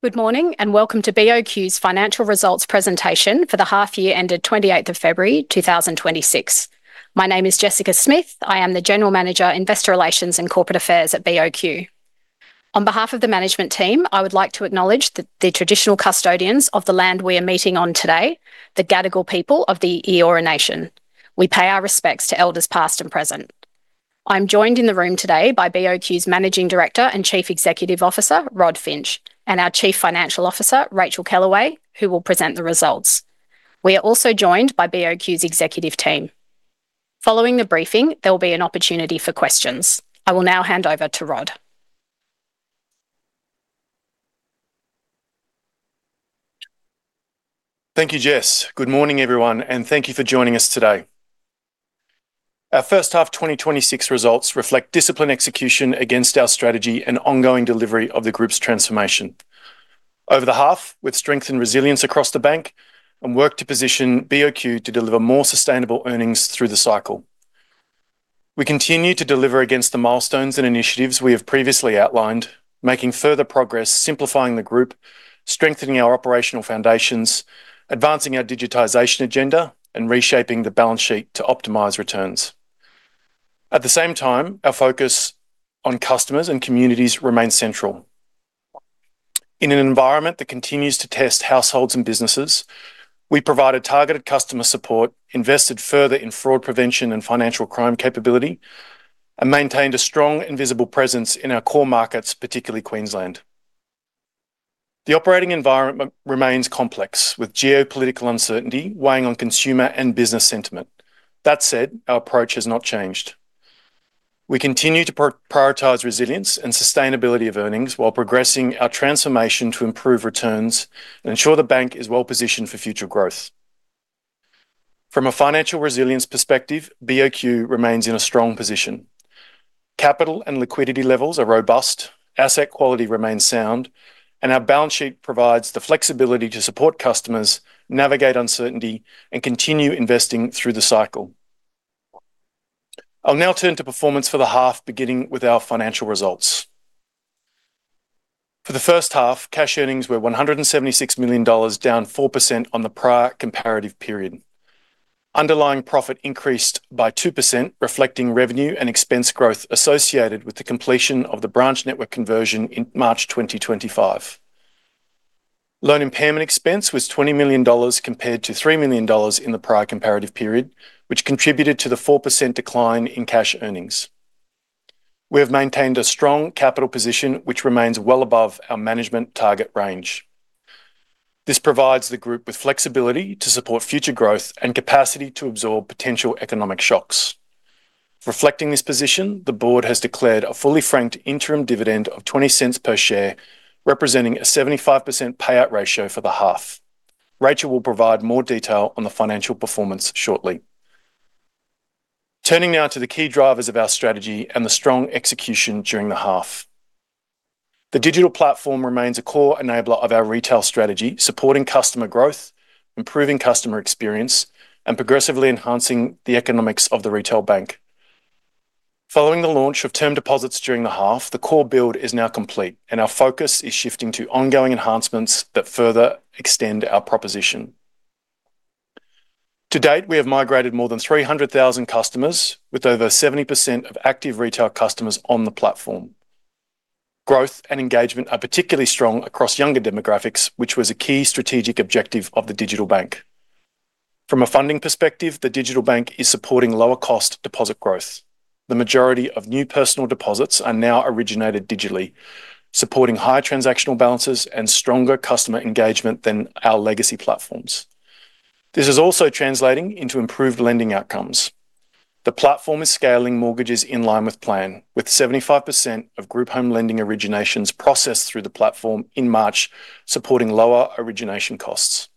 Good morning, and welcome to BOQ's financial results presentation for the half year ended 28th of February 2026. My name is Jessica Smith. I am the General Manager, Investor Relations and Corporate Affairs at BOQ. On behalf of the management team, I would like to acknowledge the traditional custodians of the land we are meeting on today, the Gadigal people of the Eora Nation. We pay our respects to elders past and present. I'm joined in the room today by BOQ's Managing Director and Chief Executive Officer, Rod Finch, and our Chief Financial Officer, Racheal Kellaway, who will present the results. We are also joined by BOQ's executive team. Following the briefing, there will be an opportunity for questions. I will now hand over to Rod. Thank you, Jess. Good morning, everyone, and thank you for joining us today. Our first half 2026 results reflect disciplined execution against our strategy and ongoing delivery of the group's transformation over the half, with strength and resilience across the bank and work to position BOQ to deliver more sustainable earnings through the cycle. We continue to deliver against the milestones and initiatives we have previously outlined, making further progress simplifying the group, strengthening our operational foundations, advancing our digitization agenda, and reshaping the balance sheet to optimize returns. At the same time, our focus on customers and communities remains central. In an environment that continues to test households and businesses, we provided targeted customer support, invested further in fraud prevention and financial crime capability, and maintained a strong and visible presence in our core markets, particularly Queensland. The operating environment remains complex, with geopolitical uncertainty weighing on consumer and business sentiment. That said, our approach has not changed. We continue to prioritize resilience and sustainability of earnings while progressing our transformation to improve returns and ensure the bank is well-positioned for future growth. From a financial resilience perspective, BOQ remains in a strong position. Capital and liquidity levels are robust, asset quality remains sound, and our balance sheet provides the flexibility to support customers, navigate uncertainty, and continue investing through the cycle. I'll now turn to performance for the half, beginning with our financial results. For the first half, cash earnings were 176 million dollars, down 4% on the prior comparative period. Underlying profit increased by 2%, reflecting revenue and expense growth associated with the completion of the branch network conversion in March 2025. Loan impairment expense was 20 million dollars compared to 3 million dollars in the prior comparative period, which contributed to the 4% decline in cash earnings. We have maintained a strong capital position, which remains well above our management target range. This provides the group with flexibility to support future growth and capacity to absorb potential economic shocks. Reflecting this position, the board has declared a fully franked interim dividend of 0.20/share, representing a 75% payout ratio for the half. Racheal will provide more detail on the financial performance shortly. Turning now to the key drivers of our strategy and the strong execution during the half. The digital platform remains a core enabler of our retail strategy, supporting customer growth, improving customer experience, and progressively enhancing the economics of the retail bank. Following the launch of term deposits during the half, the core build is now complete, and our focus is shifting to ongoing enhancements that further extend our proposition. To date, we have migrated more than 300,000 customers with over 70% of active retail customers on the platform. Growth and engagement are particularly strong across younger demographics, which was a key strategic objective of the digital bank. From a funding perspective, the digital bank is supporting lower cost deposit growth. The majority of new personal deposits are now originated digitally, supporting high transactional balances and stronger customer engagement than our legacy platforms. This is also translating into improved lending outcomes. The platform is scaling mortgages in line with plan, with 75% of group home lending originations processed through the platform in March, supporting lower origination costs.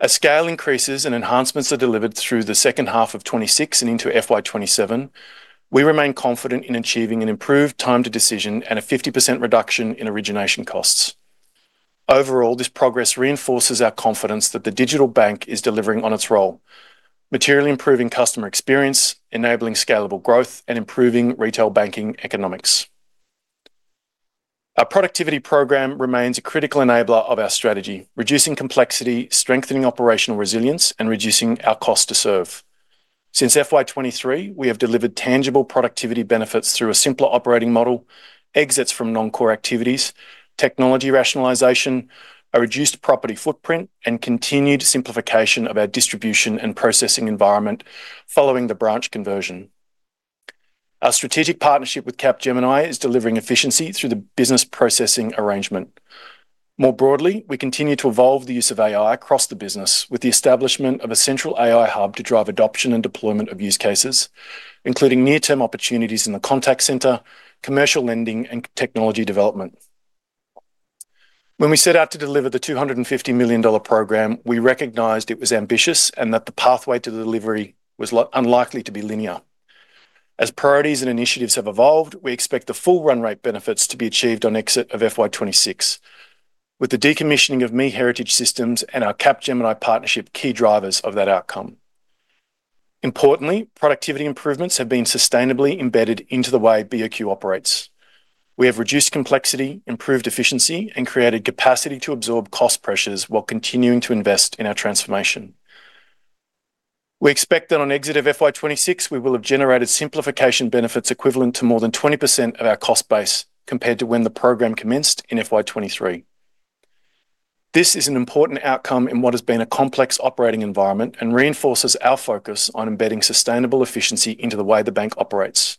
As scale increases and enhancements are delivered through the second half of 2026 and into FY 2027, we remain confident in achieving an improved time to decision and a 50% reduction in origination costs. Overall, this progress reinforces our confidence that the digital bank is delivering on its role, materially improving customer experience, enabling scalable growth, and improving retail banking economics. Our productivity program remains a critical enabler of our strategy, reducing complexity, strengthening operational resilience, and reducing our cost to serve. Since FY 2023, we have delivered tangible productivity benefits through a simpler operating model, exits from non-core activities, technology rationalization, a reduced property footprint, and continued simplification of our distribution and processing environment following the branch conversion. Our strategic partnership with Capgemini is delivering efficiency through the business processing arrangement. More broadly, we continue to evolve the use of AI across the business with the establishment of a central AI hub to drive adoption and deployment of use cases, including near-term opportunities in the contact center, commercial lending, and technology development. When we set out to deliver the 250 million dollar program, we recognized it was ambitious and that the pathway to the delivery was unlikely to be linear. As priorities and initiatives have evolved, we expect the full run rate benefits to be achieved on exit of FY 2026, with the decommissioning of ME Heritage systems and our Capgemini partnership key drivers of that outcome. Importantly, productivity improvements have been sustainably embedded into the way BOQ operates. We have reduced complexity, improved efficiency, and created capacity to absorb cost pressures while continuing to invest in our transformation. We expect that on exit of FY 2026, we will have generated simplification benefits equivalent to more than 20% of our cost base compared to when the program commenced in FY 2023. This is an important outcome in what has been a complex operating environment and reinforces our focus on embedding sustainable efficiency into the way the bank operates.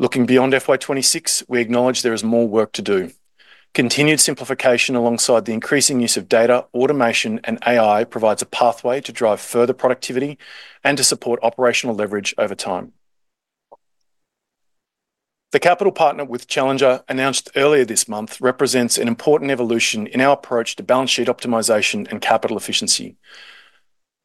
Looking beyond FY 2026, we acknowledge there is more work to do. Continued simplification alongside the increasing use of data, automation, and AI provides a pathway to drive further productivity and to support operational leverage over time. The capital partner with Challenger, announced earlier this month, represents an important evolution in our approach to balance sheet optimization and capital efficiency.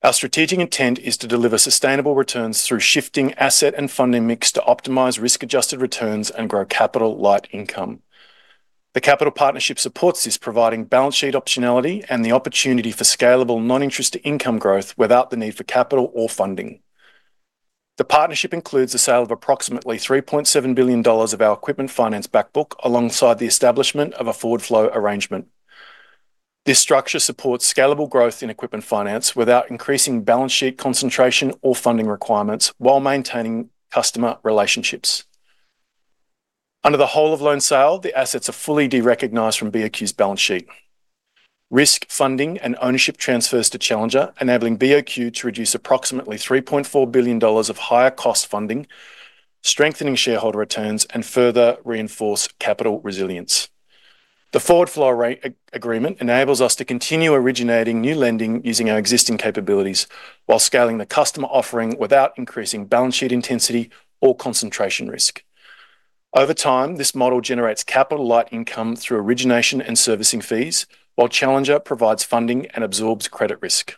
Our strategic intent is to deliver sustainable returns through shifting asset and funding mix to optimize risk-adjusted returns and grow capital-light income. The capital partnership supports this, providing balance sheet optionality and the opportunity for scalable non-interest income growth without the need for capital or funding. The partnership includes the sale of approximately 3.7 billion dollars of our equipment finance back book, alongside the establishment of a forward flow arrangement. This structure supports scalable growth in equipment finance without increasing balance sheet concentration or funding requirements while maintaining customer relationships. Under the whole-of-loan sale, the assets are fully derecognized from BOQ's balance sheet. Risk, funding, and ownership transfers to Challenger, enabling BOQ to reduce approximately 3.4 billion dollars of higher cost funding, strengthening shareholder returns, and further reinforce capital resilience. The forward flow rate agreement enables us to continue originating new lending using our existing capabilities while scaling the customer offering without increasing balance sheet intensity or concentration risk. Over time, this model generates capital-light income through origination and servicing fees, while Challenger provides funding and absorbs credit risk.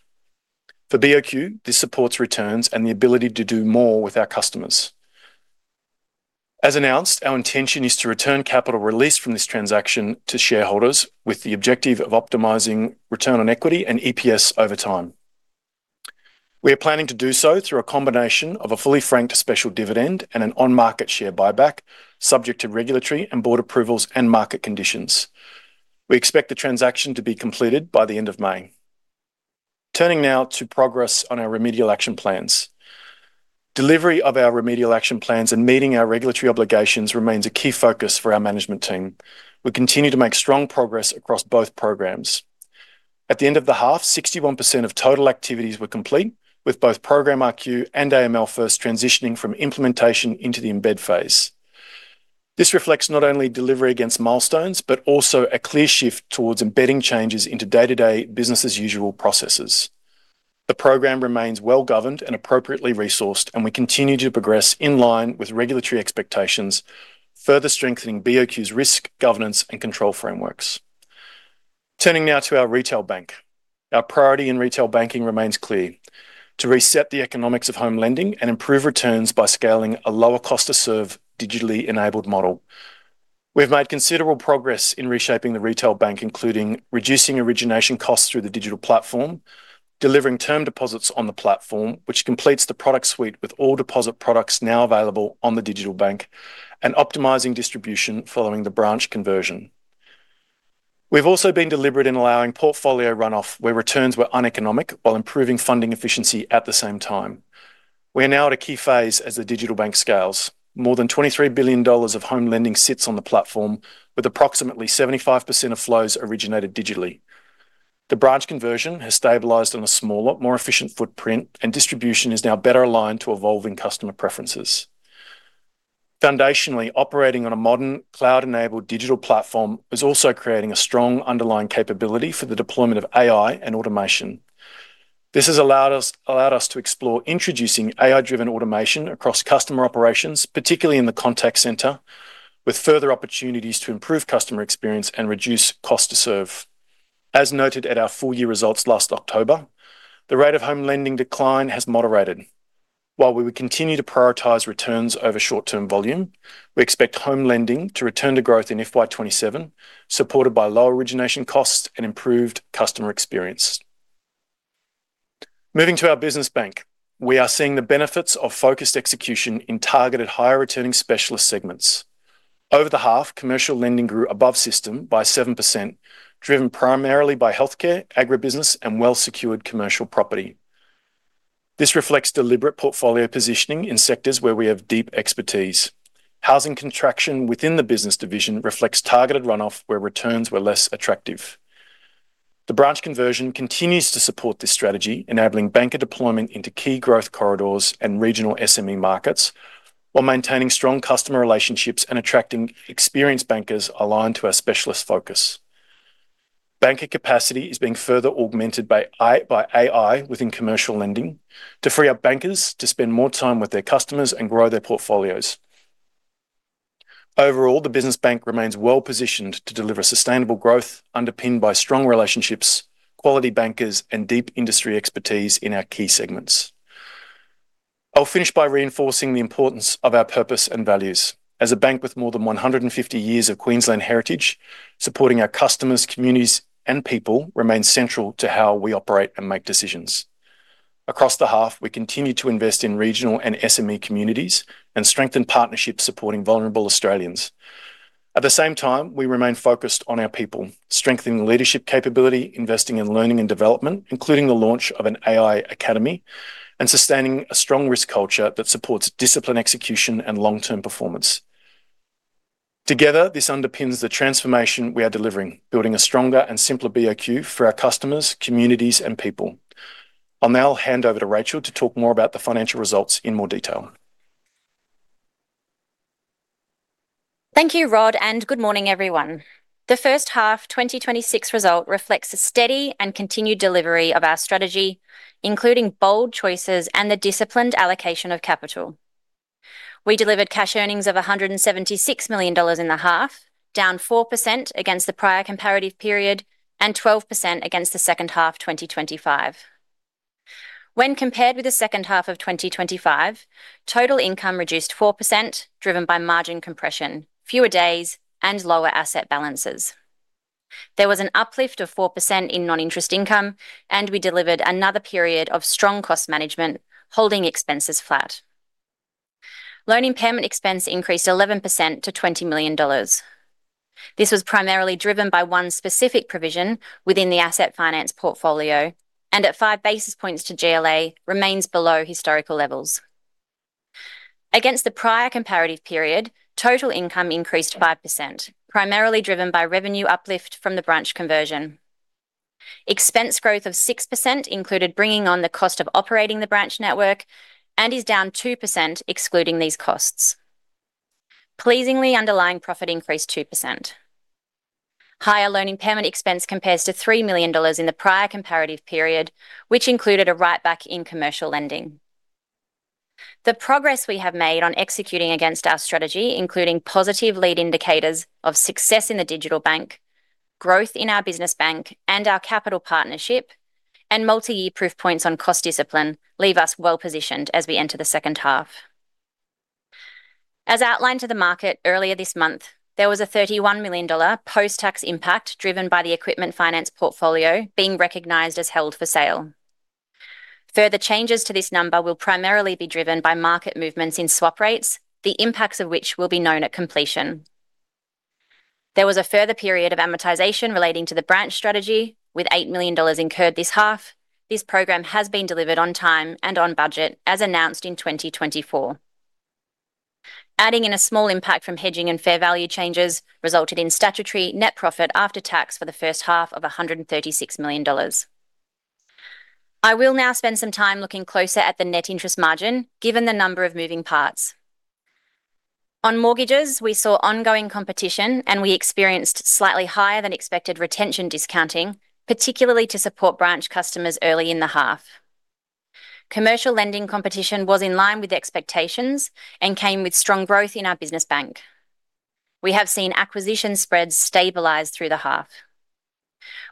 For BOQ, this supports returns and the ability to do more with our customers. As announced, our intention is to return capital released from this transaction to shareholders with the objective of optimizing return on equity and EPS over time. We are planning to do so through a combination of a fully franked special dividend and an on-market share buyback, subject to regulatory and board approvals and market conditions. We expect the transaction to be completed by the end of May. Turning now to progress on our remedial action plans. Delivery of our remedial action plans and meeting our regulatory obligations remains a key focus for our management team. We continue to make strong progress across both programs. At the end of the half, 61% of total activities were complete, with both Program rQ and AML First transitioning from implementation into the embed phase. This reflects not only delivery against milestones, but also a clear shift towards embedding changes into day-to-day business as usual processes. The program remains well-governed and appropriately resourced, and we continue to progress in line with regulatory expectations, further strengthening BOQ's risk, governance, and control frameworks. Turning now to our retail bank. Our priority in retail banking remains clear: to reset the economics of home lending and improve returns by scaling a lower cost to serve, digitally enabled model. We have made considerable progress in reshaping the retail bank, including reducing origination costs through the digital platform, delivering term deposits on the platform, which completes the product suite with all deposit products now available on the digital bank, and optimizing distribution following the branch conversion. We've also been deliberate in allowing portfolio run-off where returns were uneconomic while improving funding efficiency at the same time. We are now at a key phase as the digital bank scales. More than 23 billion dollars of home lending sits on the platform, with approximately 75% of flows originated digitally. The branch conversion has stabilized on a smaller, more efficient footprint, and distribution is now better aligned to evolving customer preferences. Foundationally, operating on a modern cloud-enabled digital platform is also creating a strong underlying capability for the deployment of AI and automation. This has allowed us to explore introducing AI-driven automation across customer operations, particularly in the contact center, with further opportunities to improve customer experience and reduce cost to serve. As noted at our full year results last October, the rate of home lending decline has moderated. While we will continue to prioritize returns over short-term volume, we expect home lending to return to growth in FY 2027, supported by lower origination costs and improved customer experience. Moving to our business bank, we are seeing the benefits of focused execution in targeted higher returning specialist segments. Over the half, commercial lending grew above system by 7%, driven primarily by healthcare, agribusiness, and well-secured commercial property. This reflects deliberate portfolio positioning in sectors where we have deep expertise. Housing contraction within the business division reflects targeted run-off, where returns were less attractive. The branch conversion continues to support this strategy, enabling banker deployment into key growth corridors and regional SME markets, while maintaining strong customer relationships and attracting experienced bankers aligned to our specialist focus. Banker capacity is being further augmented by AI within commercial lending to free up bankers to spend more time with their customers and grow their portfolios. Overall, the business bank remains well-positioned to deliver sustainable growth underpinned by strong relationships, quality bankers, and deep industry expertise in our key segments. I'll finish by reinforcing the importance of our purpose and values. As a bank with more than 150 years of Queensland heritage, supporting our customers, communities, and people remains central to how we operate and make decisions. Across the half, we continue to invest in regional and SME communities and strengthen partnerships supporting vulnerable Australians. At the same time, we remain focused on our people, strengthening leadership capability, investing in learning and development, including the launch of an AI academy, and sustaining a strong risk culture that supports discipline, execution, and long-term performance. Together, this underpins the transformation we are delivering, building a stronger and simpler BOQ for our customers, communities, and people. I'll now hand over to Racheal to talk more about the financial results in more detail. Thank you, Rod, and good morning, everyone. The first half 2026 result reflects a steady and continued delivery of our strategy, including bold choices and the disciplined allocation of capital. We delivered cash earnings of 176 million dollars in the half, down 4% against the prior comparative period and 12% against the second half 2025. When compared with the second half of 2025, total income reduced 4%, driven by margin compression, fewer days, and lower asset balances. There was an uplift of 4% in non-interest income, and we delivered another period of strong cost management, holding expenses flat. Loan impairment expense increased 11% to 20 million dollars. This was primarily driven by one specific provision within the asset finance portfolio, and at 5 basis points to GLA remains below historical levels. Against the prior comparative period, total income increased 5%, primarily driven by revenue uplift from the branch conversion. Expense growth of 6% included bringing on the cost of operating the branch network and is down 2% excluding these costs. Pleasingly, underlying profit increased 2%. Higher loan impairment expense compares to 3 million dollars in the prior comparative period, which included a write-back in commercial lending. The progress we have made on executing against our strategy, including positive lead indicators of success in the digital bank, growth in our business bank, and our capital partnership, and multi-year proof points on cost discipline leave us well-positioned as we enter the second half. As outlined to the market earlier this month, there was a 31 million dollar post-tax impact driven by the equipment finance portfolio being recognized as held for sale. Further changes to this number will primarily be driven by market movements in swap rates, the impacts of which will be known at completion. There was a further period of amortization relating to the branch strategy, with 8 million dollars incurred this half. This program has been delivered on time and on budget as announced in 2024. Adding in a small impact from hedging and fair value changes resulted in statutory net profit after tax for the first half of 136 million dollars. I will now spend some time looking closer at the net interest margin, given the number of moving parts. On mortgages, we saw ongoing competition, and we experienced slightly higher-than-expected retention discounting, particularly to support branch customers early in the half. Commercial lending competition was in line with expectations and came with strong growth in our business bank. We have seen acquisition spreads stabilize through the half.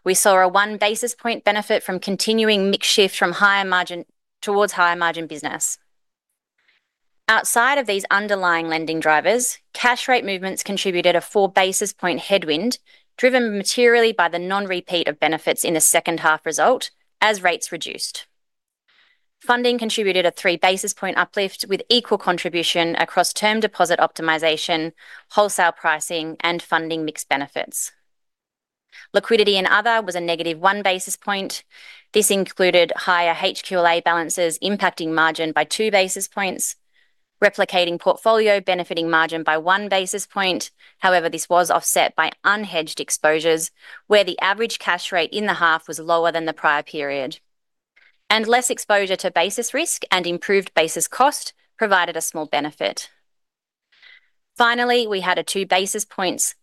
We saw a one basis point benefit from continuing mix shift towards higher margin business. Outside of these underlying lending drivers, cash rate movements contributed a 4 basis point headwind, driven materially by the non-repeat of benefits in the second half result as rates reduced. Funding contributed a 3 basis point uplift with equal contribution across term deposit optimization, wholesale pricing, and funding mix benefits. Liquidity and other was a -1 basis point. This included higher HQLA balances impacting margin by 2 basis points, replicating portfolio benefiting margin by 1 basis point. However, this was offset by unhedged exposures, where the average cash rate in the half was lower than the prior period. Less exposure to basis risk and improved basis cost provided a small benefit. Finally, we had 2 basis points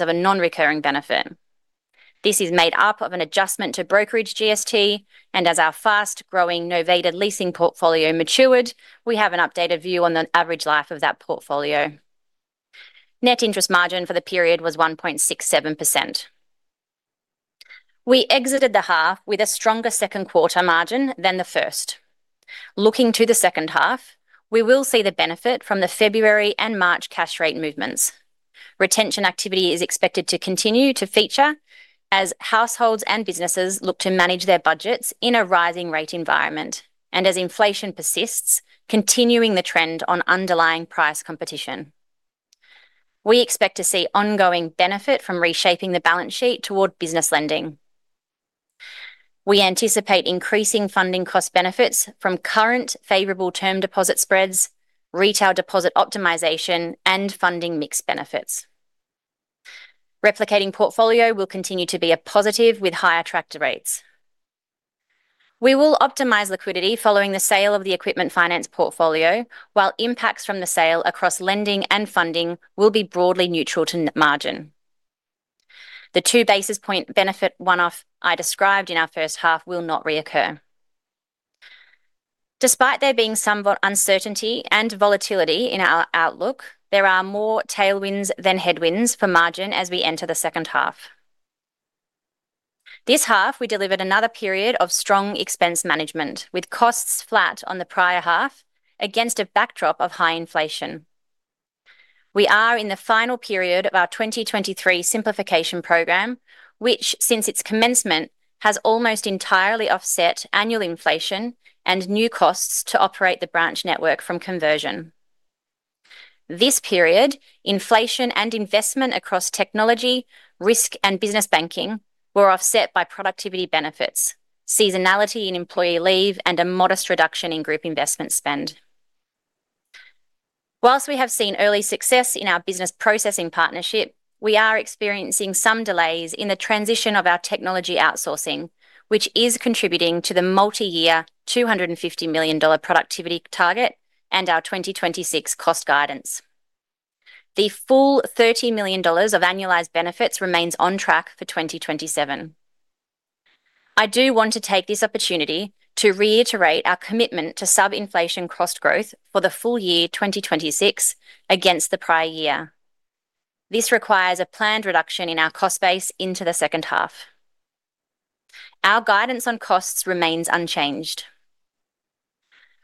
of a non-recurring benefit. This is made up of an adjustment to brokerage GST, and as our fast-growing novated leasing portfolio matured, we have an updated view on the average life of that portfolio. Net interest margin for the period was 1.67%. We exited the half with a stronger second quarter margin than the first. Looking to the second half, we will see the benefit from the February and March cash rate movements. Retention activity is expected to continue to feature as households and businesses look to manage their budgets in a rising rate environment and as inflation persists, continuing the trend on underlying price competition. We expect to see ongoing benefit from reshaping the balance sheet toward business lending. We anticipate increasing funding cost benefits from current favorable term deposit spreads, retail deposit optimization, and funding mix benefits. Repricing portfolio will continue to be a positive with higher tracker rates. We will optimize liquidity following the sale of the equipment finance portfolio, while impacts from the sale across lending and funding will be broadly neutral to net margin. The 2 basis point benefit one-off I described in our first half will not reoccur. Despite there being some uncertainty and volatility in our outlook, there are more tailwinds than headwinds for margin as we enter the second half. This half, we delivered another period of strong expense management, with costs flat on the prior half against a backdrop of high inflation. We are in the final period of our 2023 simplification program, which since its commencement, has almost entirely offset annual inflation and new costs to operate the branch network from conversion. This period, inflation and investment across technology, risk, and business banking were offset by productivity benefits, seasonality in employee leave, and a modest reduction in group investment spend. While we have seen early success in our business processing partnership, we are experiencing some delays in the transition of our technology outsourcing, which is contributing to the multi-year 250 million dollar productivity target and our 2026 cost guidance. The full AUD 30 million of annualized benefits remains on track for 2027. I do want to take this opportunity to reiterate our commitment to sub-inflation cost growth for the full year 2026 against the prior year. This requires a planned reduction in our cost base into the second half. Our guidance on costs remains unchanged.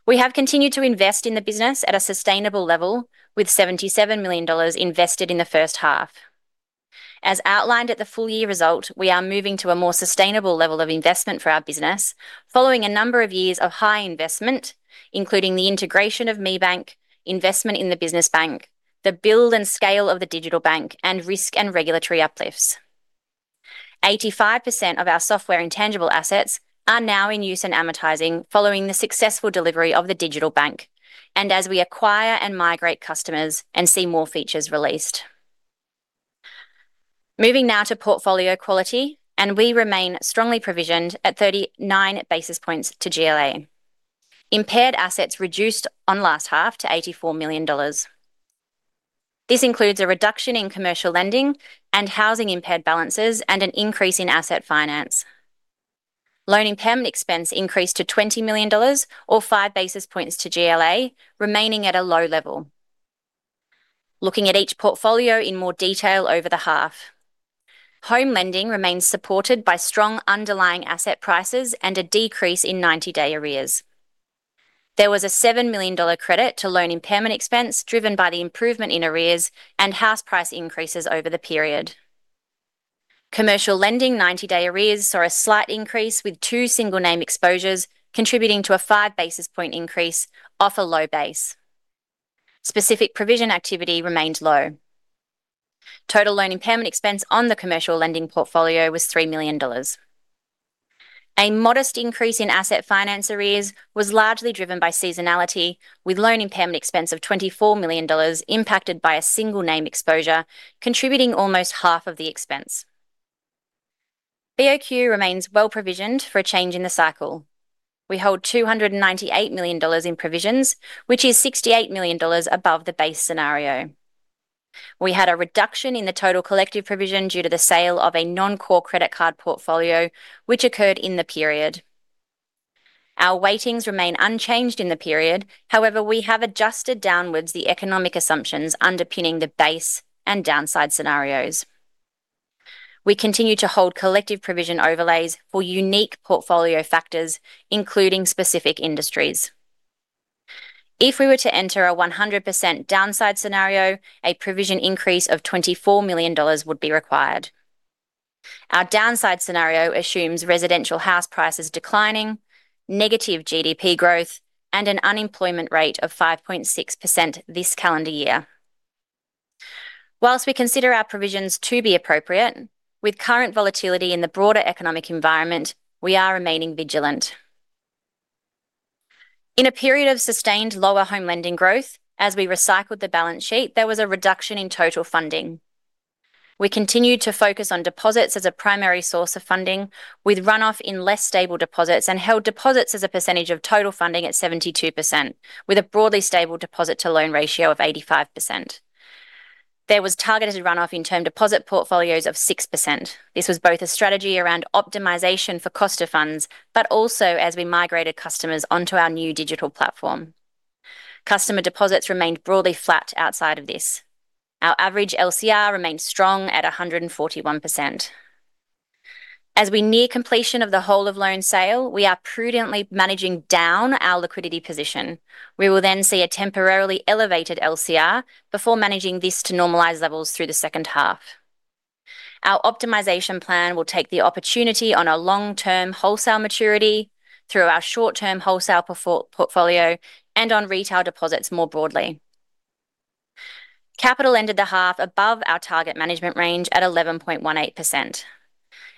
We have continued to invest in the business at a sustainable level, with 77 million dollars invested in the first half. As outlined at the full year result, we are moving to a more sustainable level of investment for our business following a number of years of high investment, including the integration of ME Bank, investment in the business bank, the build and scale of the digital bank, and risk and regulatory uplifts. 85% of our software intangible assets are now in use and amortizing following the successful delivery of the digital bank and as we acquire and migrate customers and see more features released. Moving now to portfolio quality, we remain strongly provisioned at 39 basis points to GLA. Impaired assets reduced on last half to 84 million dollars. This includes a reduction in commercial lending and housing-impaired balances and an increase in asset finance. Loan impairment expense increased to 20 million dollars, or 5 basis points to GLA, remaining at a low level. Looking at each portfolio in more detail over the half. Home lending remains supported by strong underlying asset prices and a decrease in 90-day arrears. There was 7 million dollar credit to loan impairment expense, driven by the improvement in arrears and house price increases over the period. Commercial lending 90-day arrears saw a slight increase, with two single name exposures contributing to a 5 basis point increase off a low base. Specific provision activity remained low. Total loan impairment expense on the commercial lending portfolio was 3 million dollars. A modest increase in asset finance arrears was largely driven by seasonality, with loan impairment expense of 24 million dollars impacted by a single name exposure contributing almost half of the expense. BOQ remains well provisioned for a change in the cycle. We hold 298 million dollars in provisions, which is 68 million dollars above the base scenario. We had a reduction in the total collective provision due to the sale of a non-core credit card portfolio, which occurred in the period. Our weightings remain unchanged in the period. However, we have adjusted downwards the economic assumptions underpinning the base and downside scenarios. We continue to hold collective provision overlays for unique portfolio factors, including specific industries. If we were to enter a 100% downside scenario, a provision increase of 24 million dollars would be required. Our downside scenario assumes residential house prices declining, negative GDP growth, and an unemployment rate of 5.6% this calendar year. While we consider our provisions to be appropriate, with current volatility in the broader economic environment, we are remaining vigilant. In a period of sustained lower home lending growth, as we recycled the balance sheet, there was a reduction in total funding. We continued to focus on deposits as a primary source of funding, with runoff in less stable deposits and held deposits as a percentage of total funding at 72%, with a broadly stable deposit to loan ratio of 85%. There was targeted runoff in term deposit portfolios of 6%. This was both a strategy around optimization for cost of funds, but also as we migrated customers onto our new digital platform. Customer deposits remained broadly flat outside of this. Our average LCR remains strong at 141%. As we near completion of the whole of loan sale, we are prudently managing down our liquidity position. We will then see a temporarily elevated LCR before managing this to normalized levels through the second half. Our optimization plan will take the opportunity on a long-term wholesale maturity through our short-term wholesale portfolio and on retail deposits more broadly. Capital ended the half above our target management range at 11.18%.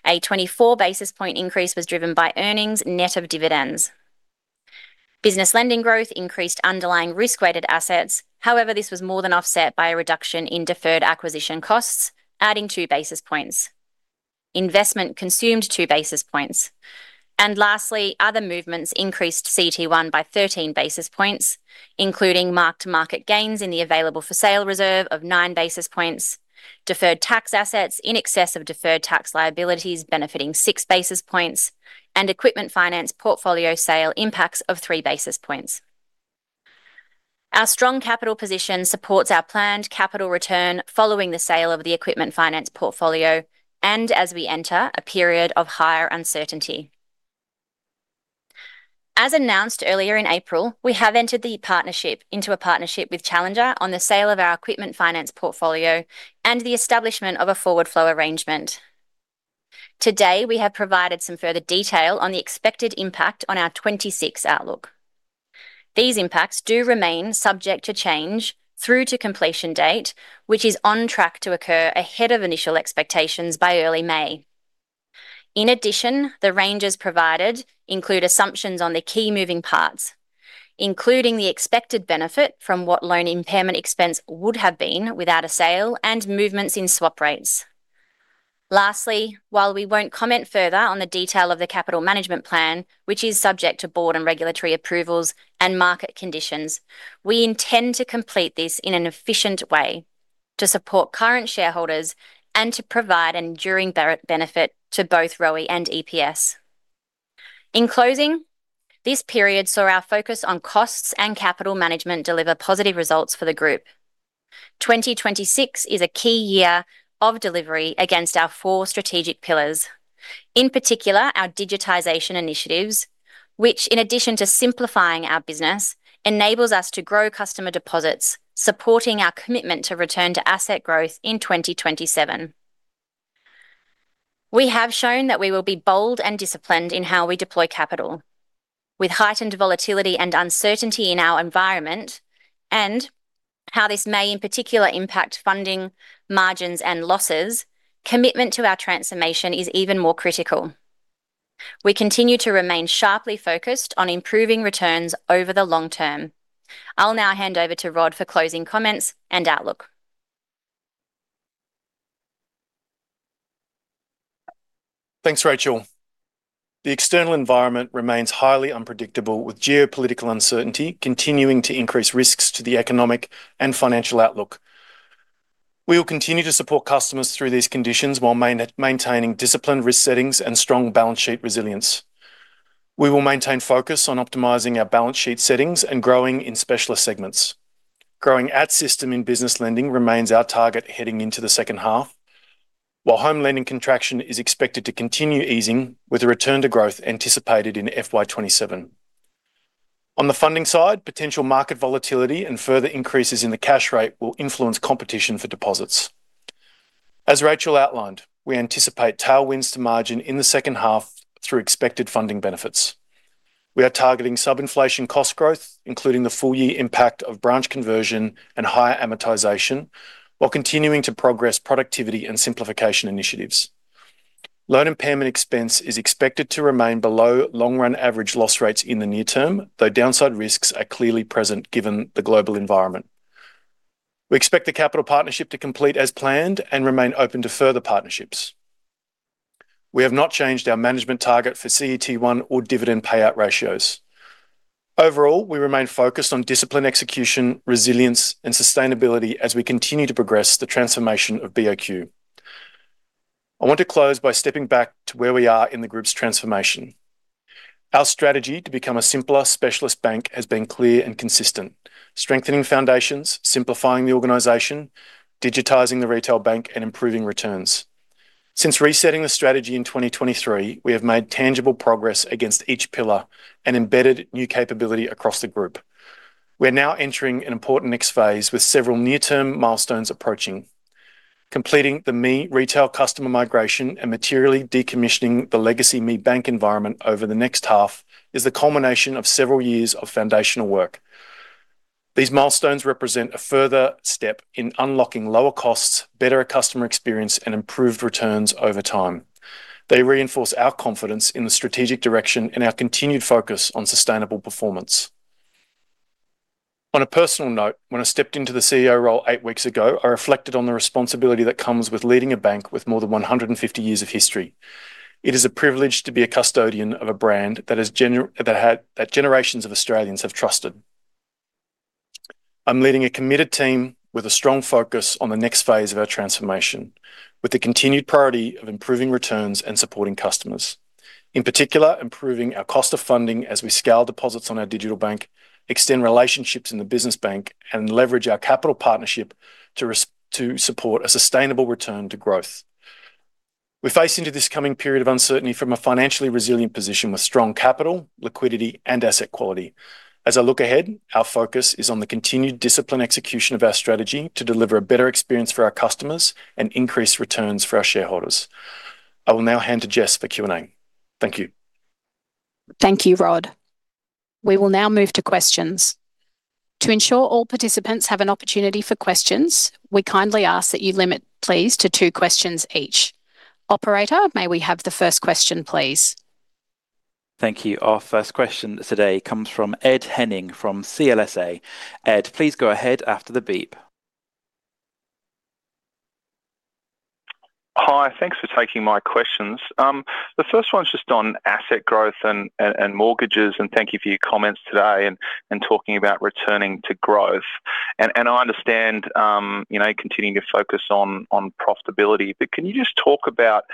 A 24 basis point increase was driven by earnings net of dividends. Business lending growth increased underlying risk-weighted assets. However, this was more than offset by a reduction in deferred acquisition costs, adding 2 basis points. Investment consumed 2 basis points. Lastly, other movements increased CET1 by 13 basis points, including mark-to-market gains in the available for sale reserve of 9 basis points, deferred tax assets in excess of deferred tax liabilities benefiting 6 basis points, and equipment finance portfolio sale impacts of 3 basis points. Our strong capital position supports our planned capital return following the sale of the equipment finance portfolio and as we enter a period of higher uncertainty. As announced earlier in April, we have entered into a partnership with Challenger on the sale of our equipment finance portfolio and the establishment of a forward flow arrangement. Today, we have provided some further detail on the expected impact on our 2026 outlook. These impacts do remain subject to change through to completion date, which is on track to occur ahead of initial expectations by early May. In addition, the ranges provided include assumptions on the key moving parts, including the expected benefit from what loan impairment expense would have been without a sale, and movements in swap rates. Lastly, while we won't comment further on the detail of the capital management plan, which is subject to board and regulatory approvals and market conditions, we intend to complete this in an efficient way to support current shareholders and to provide enduring benefit to both ROE and EPS. In closing, this period saw our focus on costs and capital management deliver positive results for the group. 2026 is a key year of delivery against our four strategic pillars. In particular, our digitization initiatives, which in addition to simplifying our business, enables us to grow customer deposits, supporting our commitment to return to asset growth in 2027. We have shown that we will be bold and disciplined in how we deploy capital. With heightened volatility and uncertainty in our environment, and how this may in particular impact funding margins and losses, commitment to our transformation is even more critical. We continue to remain sharply focused on improving returns over the long term. I'll now hand over to Rod for closing comments and outlook. Thanks, Racheal. The external environment remains highly unpredictable, with geopolitical uncertainty continuing to increase risks to the economic and financial outlook. We'll continue to support customers through these conditions while maintaining disciplined risk settings and strong balance sheet resilience. We will maintain focus on optimizing our balance sheet settings and growing in specialist segments. Growing ahead of system in business lending remains our target heading into the second half, while home lending contraction is expected to continue easing, with a return to growth anticipated in FY 2027. On the funding side, potential market volatility and further increases in the cash rate will influence competition for deposits. As Racheal outlined, we anticipate tailwinds to margin in the second half through expected funding benefits. We are targeting sub-inflation cost growth, including the full year impact of branch conversion and higher amortization, while continuing to progress productivity and simplification initiatives. Loan impairment expense is expected to remain below long-run average loss rates in the near term, though downside risks are clearly present given the global environment. We expect the capital partnership to complete as planned and remain open to further partnerships. We have not changed our management target for CET1 or dividend payout ratios. Overall, we remain focused on discipline, execution, resilience, and sustainability as we continue to progress the transformation of BOQ. I want to close by stepping back to where we are in the group's transformation. Our strategy to become a simpler specialist bank has been clear and consistent, strengthening foundations, simplifying the organization, digitizing the retail bank and improving returns. Since resetting the strategy in 2023, we have made tangible progress against each pillar and embedded new capability across the group. We're now entering an important next phase, with several near-term milestones approaching. Completing the ME retail customer migration and materially decommissioning the legacy ME Bank environment over the next half is the culmination of several years of foundational work. These milestones represent a further step in unlocking lower costs, better customer experience, and improved returns over time. They reinforce our confidence in the strategic direction and our continued focus on sustainable performance. On a personal note, when I stepped into the CEO role eight weeks ago, I reflected on the responsibility that comes with leading a bank with more than 150 years of history. It is a privilege to be a custodian of a brand that generations of Australians have trusted. I'm leading a committed team with a strong focus on the next phase of our transformation, with the continued priority of improving returns and supporting customers, in particular, improving our cost of funding as we scale deposits on our digital bank, extend relationships in the business bank, and leverage our capital partnership to support a sustainable return to growth. We face into this coming period of uncertainty from a financially resilient position with strong capital, liquidity, and asset quality. As I look ahead, our focus is on the continued disciplined execution of our strategy to deliver a better experience for our customers and increase returns for our shareholders. I will now hand to Jess for Q&A. Thank you. Thank you, Rod. We will now move to questions. To ensure all participants have an opportunity for questions, we kindly ask that you limit, please, to two questions each. Operator, may we have the first question, please? Thank you. Our first question today comes from Ed Henning from CLSA. Ed, please go ahead after the beep. Hi. Thanks for taking my questions. The first one's just on asset growth and mortgages, and thank you for your comments today and talking about returning to growth. I understand continuing to focus on profitability. Can you just talk about,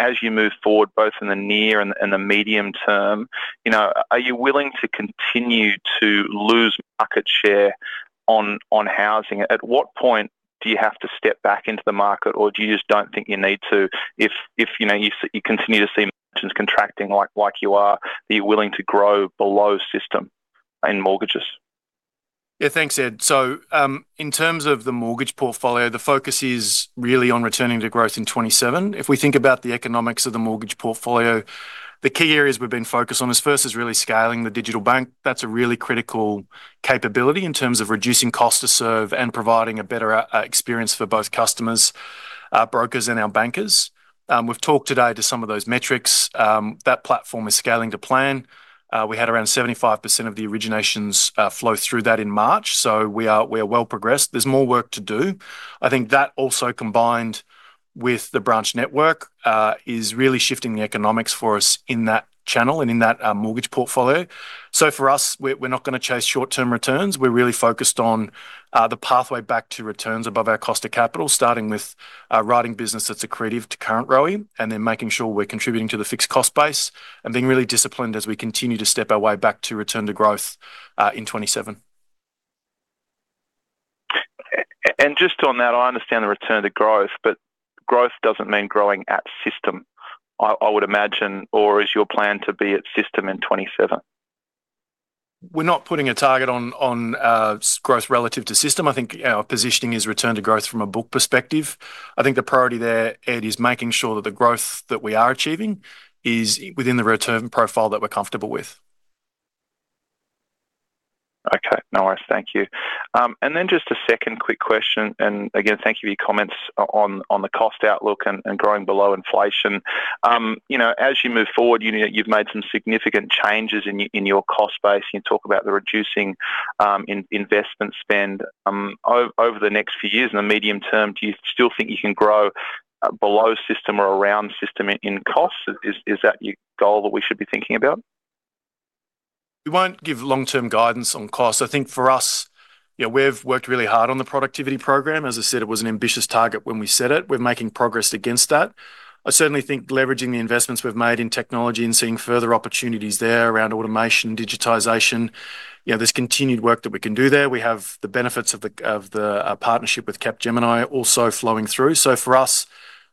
as you move forward, both in the near and the medium term, are you willing to continue to lose market share on housing? At what point do you have to step back into the market, or do you just don't think you need to if you continue to see margins contracting like you are, or are you willing to grow below system in mortgages? Yeah, thanks, Ed. In terms of the mortgage portfolio, the focus is really on returning to growth in 2027. If we think about the economics of the mortgage portfolio, the key areas we've been focused on is, first, really scaling the digital bank. That's a really critical capability in terms of reducing cost to serve and providing a better experience for both customers, our brokers, and our bankers. We've talked today about some of those metrics. That platform is scaling to plan. We had around 75% of the originations flow through that in March. We are well progressed. There's more work to do. I think that also combined with the branch network is really shifting the economics for us in that channel and in that mortgage portfolio. For us, we're not going to chase short-term returns. We're really focused on the pathway back to returns above our cost of capital, starting with writing business that's accretive to current ROE and then making sure we're contributing to the fixed cost base and being really disciplined as we continue to step our way back to return to growth, in 2027. Just on that, I understand the return to growth, but growth doesn't mean growing at system, I would imagine, or is your plan to be at system in 2027? We're not putting a target on growth relative to system. I think our positioning is return to growth from a book perspective. I think the priority there, Ed, is making sure that the growth that we are achieving is within the return profile that we're comfortable with. Okay. No worries. Thank you. Just a second quick question. Again, thank you for your comments on the cost outlook and growing below inflation. As you move forward, you've made some significant changes in your cost base. You can talk about the reducing investment spend. Over the next few years, in the medium term, do you still think you can grow below system or around system in costs? Is that your goal that we should be thinking about? We won't give long-term guidance on costs. I think for us, we've worked really hard on the productivity program. As I said, it was an ambitious target when we set it. We're making progress against that. I certainly think leveraging the investments we've made in technology and seeing further opportunities there around automation, digitization, there's continued work that we can do there. We have the benefits of the partnership with Capgemini also flowing through. For us,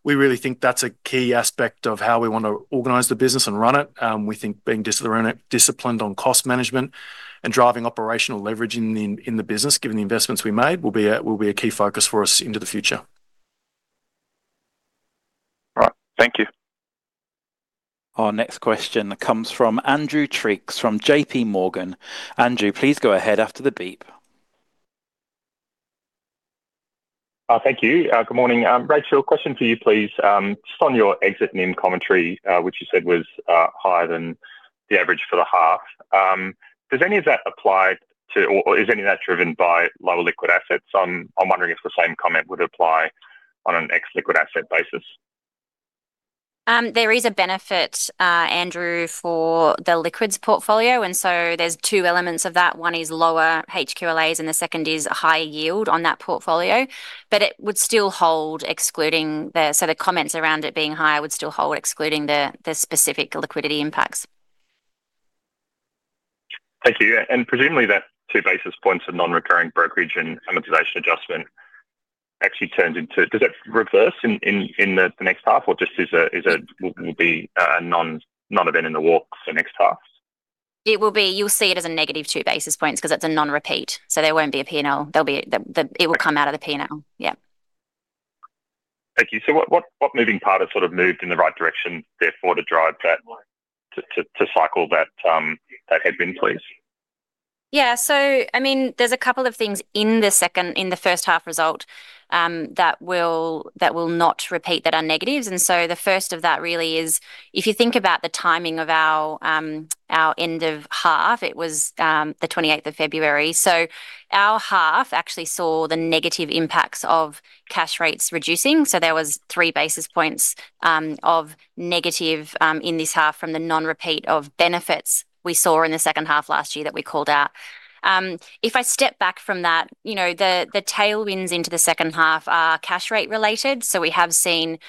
we really think that's a key aspect of how we want to organize the business and run it. We think being disciplined on cost management and driving operational leverage in the business, given the investments we made, will be a key focus for us into the future. All right. Thank you. Our next question comes from Andrew Triggs from JPMorgan. Andrew, please go ahead after the beep. Thank you. Good morning. Racheal, a question for you, please. Just on your exit NIM commentary, which you said was higher than the average for the half. Does any of that apply to or is any of that driven by lower liquid assets? I'm wondering if the same comment would apply on an ex liquid asset basis? There is a benefit, Andrew, for the liquidity portfolio, and so there's two elements of that. One is lower HQLAs and the second is higher yield on that portfolio. It would still hold. The comments around it being higher would still hold excluding the specific liquidity impacts. Thank you. Presumably that 2 basis points of non-recurring brokerage and amortization adjustment actually turns into. Does that reverse in the next half or just will be a nonevent in the walk for the next half? It will be. You'll see it as a -2 basis points because that's a non-repeat. There won't be a P&L. It will come out of the P&L. Yeah. Thank you. What moving part has sort of moved in the right direction therefore to drive that, to cycle that headwind, please? Yeah. There's a couple of things in the first half result that will not repeat that are negatives. The first of that really is if you think about the timing of our end of half, it was the 28th of February. Our half actually saw the negative impacts of cash rates reducing. There was 3 basis points of negative in this half from the non-repeat of benefits we saw in the second half last year that we called out. If I step back from that, the tailwinds into the second half are cash rate related. We have seen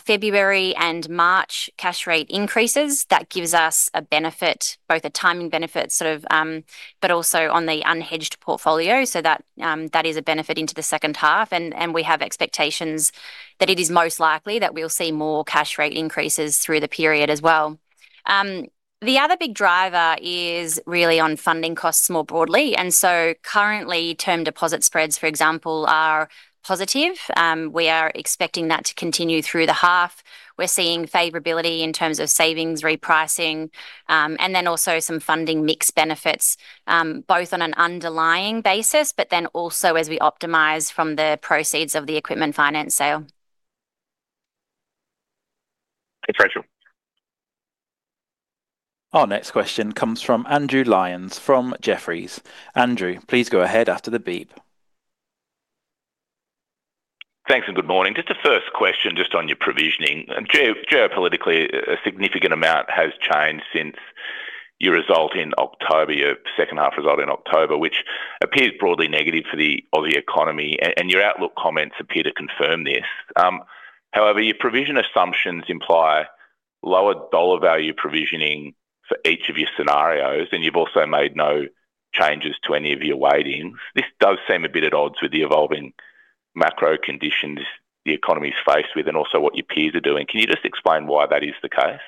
February and March cash rate increases. That gives us a benefit, both a timing benefit, but also on the unhedged portfolio. That is a benefit into the second half, and we have expectations that it is most likely that we'll see more cash rate increases through the period as well. The other big driver is really on funding costs more broadly, and so currently term deposit spreads, for example, are positive. We are expecting that to continue through the half. We're seeing favorability in terms of savings repricing, and then also some funding mix benefits, both on an underlying basis, but then also as we optimize from the proceeds of the equipment finance sale. Thanks, Racheal. Our next question comes from Andrew Lyons from Jefferies. Andrew, please go ahead after the beep. Thanks and good morning. Just a first question just on your provisioning. Geopolitically, a significant amount has changed since your result in October, your second half result in October, which appears broadly negative for the economy, and your outlook comments appear to confirm this. However, your provision assumptions imply lower dollar value provisioning for each of your scenarios, and you've also made no changes to any of your weightings. This does seem a bit at odds with the evolving macro conditions the economy's faced with and also what your peers are doing. Can you just explain why that is the case?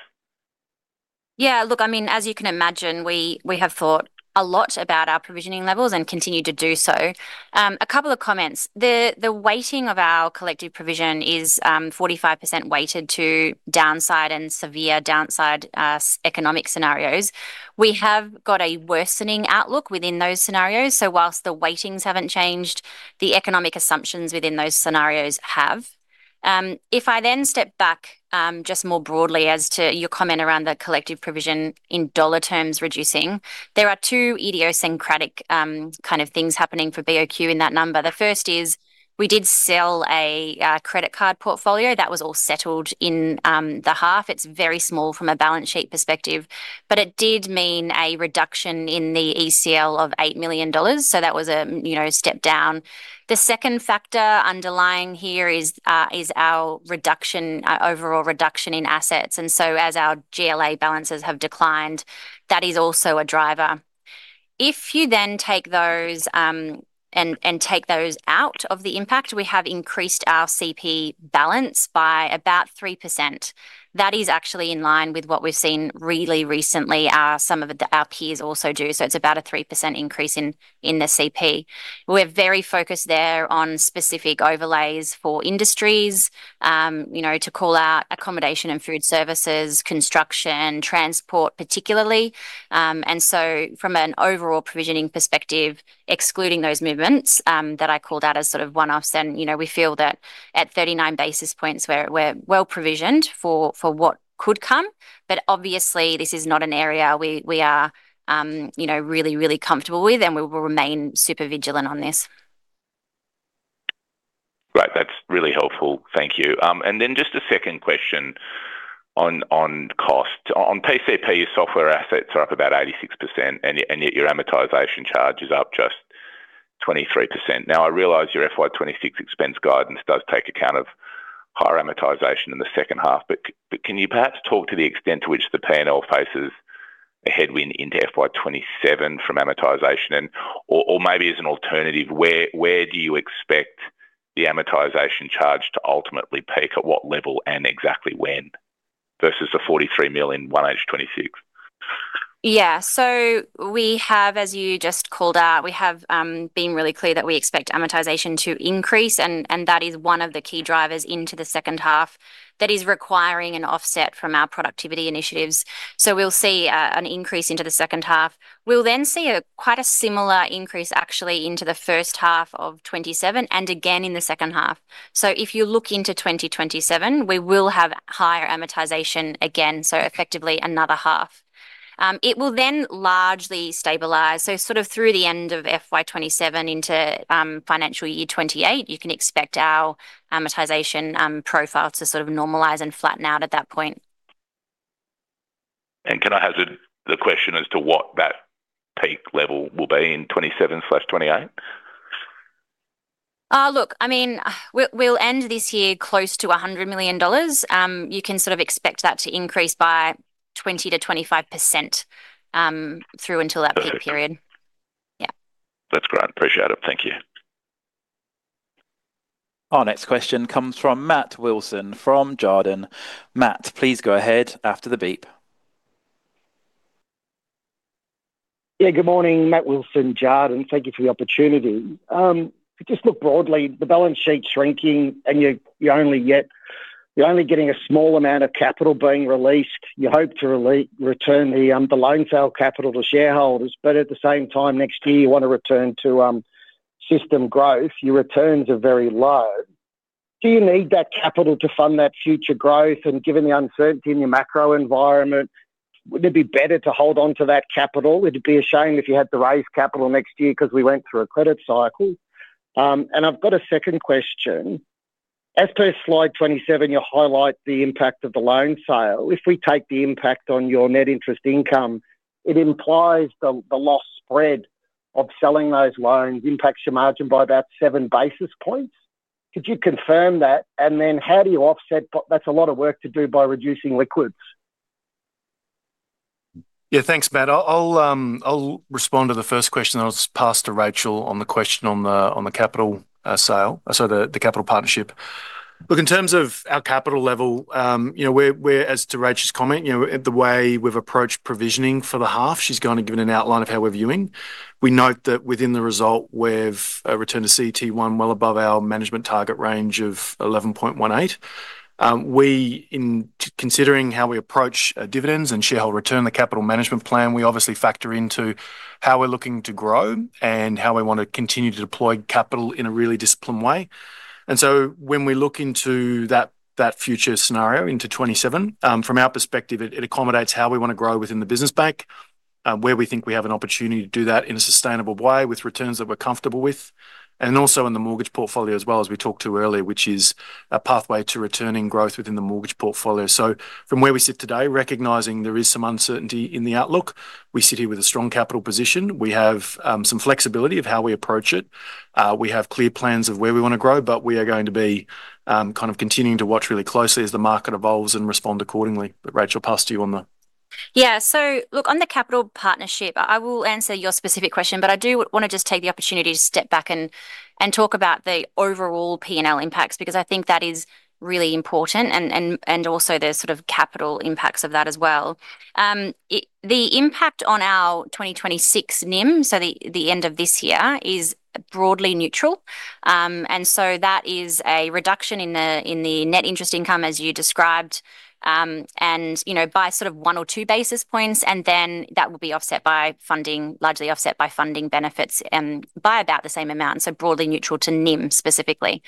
Yeah, look, I mean, as you can imagine, we have thought a lot about our provisioning levels and continue to do so. A couple of comments. The weighting of our collective provision is 45% weighted to downside and severe downside economic scenarios. We have got a worsening outlook within those scenarios, so while the weightings haven't changed, the economic assumptions within those scenarios have. If I then step back, just more broadly as to your comment around the collective provision in dollar terms reducing, there are two idiosyncratic, kind of things happening for BOQ in that number. The first is we did sell a credit card portfolio that was all settled in the half. It's very small from a balance sheet perspective, but it did mean a reduction in the ECL of 8 million dollars, so that was a step down. The second factor underlying here is our overall reduction in assets, and so as our GLA balances have declined, that is also a driver. If you then take those and take those out of the impact, we have increased our CP balance by about 3%. That is actually in line with what we've seen really recently, some of our peers also do, so it's about a 3% increase in the CP. We're very focused there on specific overlays for industries, to call out accommodation and food services, construction, transport particularly. From an overall provisioning perspective, excluding those movements, that I called out as sort of one-offs, and we feel that at 39 basis points, we're well-provisioned for what could come. Obviously this is not an area we are really, really comfortable with, and we will remain super vigilant on this. Great. That's really helpful. Thank you. Just a second question on cost. On PCP, software assets are up about 86%, and yet your amortization charge is up just 23%. Now, I realize your FY 2026 expense guidance does take account of higher amortization in the second half. Can you perhaps talk to the extent to which the P&L faces a headwind into FY 2027 from amortization and, or maybe as an alternative, where do you expect the amortization charge to ultimately peak, at what level and exactly when, versus the 43 million in FY 2026? Yeah. We have, as you just called out, we have been really clear that we expect amortization to increase, and that is one of the key drivers into the second half that is requiring an offset from our productivity initiatives. We'll see an increase into the second half. We'll then see quite a similar increase actually into the first half of 2027 and again in the second half. If you look into 2027, we will have higher amortization again, so effectively another half. It will then largely stabilize. Sort of through the end of FY 2027 into financial year 2028, you can expect our amortization profile to sort of normalize and flatten out at that point. Can I hazard the question as to what that peak level will be in 2027 through 2028? Look, I mean, we'll end this year close to 100 million dollars. You can sort of expect that to increase by 20%-25%, through until that peak period. Yeah. That's great. Appreciate it. Thank you. Our next question comes from Matt Wilson from Jarden. Matt, please go ahead after the beep. Yeah, good morning, Matt Wilson, Jarden. Thank you for the opportunity. If you just look broadly, the balance sheet's shrinking, and you're only getting a small amount of capital being released. You hope to return the loan sale capital to shareholders, but at the same time next year, you want to return to system growth. Your returns are very low. Do you need that capital to fund that future growth? Given the uncertainty in your macro environment, wouldn't it be better to hold onto that capital? Would it be a shame if you had to raise capital next year because we went through a credit cycle? I've got a second question. As per slide 27, you highlight the impact of the loan sale. If we take the impact on your net interest income, it implies the lost spread of selling those loans impacts your margin by about 7 basis points. Could you confirm that? Then how do you offset? That's a lot of work to do by reducing liquids. Yeah, thanks, Matt. I'll respond to the first question, then I'll just pass to Racheal on the question on the capital sale, sorry, the capital partnership. Look, in terms of our capital level, as to Racheal's comment, the way we've approached provisioning for the half, she's gone and given an outline of how we're viewing. We note that within the result, we've returned to CET1 well above our management target range of 11.18%. We, in considering how we approach dividends and shareholder return, the capital management plan, we obviously factor into how we're looking to grow and how we want to continue to deploy capital in a really disciplined way. When we look into that future scenario into 2027, from our perspective, it accommodates how we want to grow within the business bank. Where we think we have an opportunity to do that in a sustainable way with returns that we're comfortable with, and also in the mortgage portfolio as well, as we talked to earlier, which is a pathway to returning growth within the mortgage portfolio. From where we sit today, recognizing there is some uncertainty in the outlook, we sit here with a strong capital position. We have some flexibility of how we approach it. We have clear plans of where we want to grow, but we are going to be continuing to watch really closely as the market evolves and respond accordingly. Racheal, pass to you on the- Yeah. Look, on the capital partnership, I will answer your specific question, but I do want to just take the opportunity to step back and talk about the overall P&L impacts, because I think that is really important and also the capital impacts of that as well. The impact on our 2026 NIM, so the end of this year, is broadly neutral. That is a reduction in the net interest income, as you described, and by one or 2 basis points, and then that will be largely offset by funding benefits and by about the same amount, so broadly neutral to NIM specifically.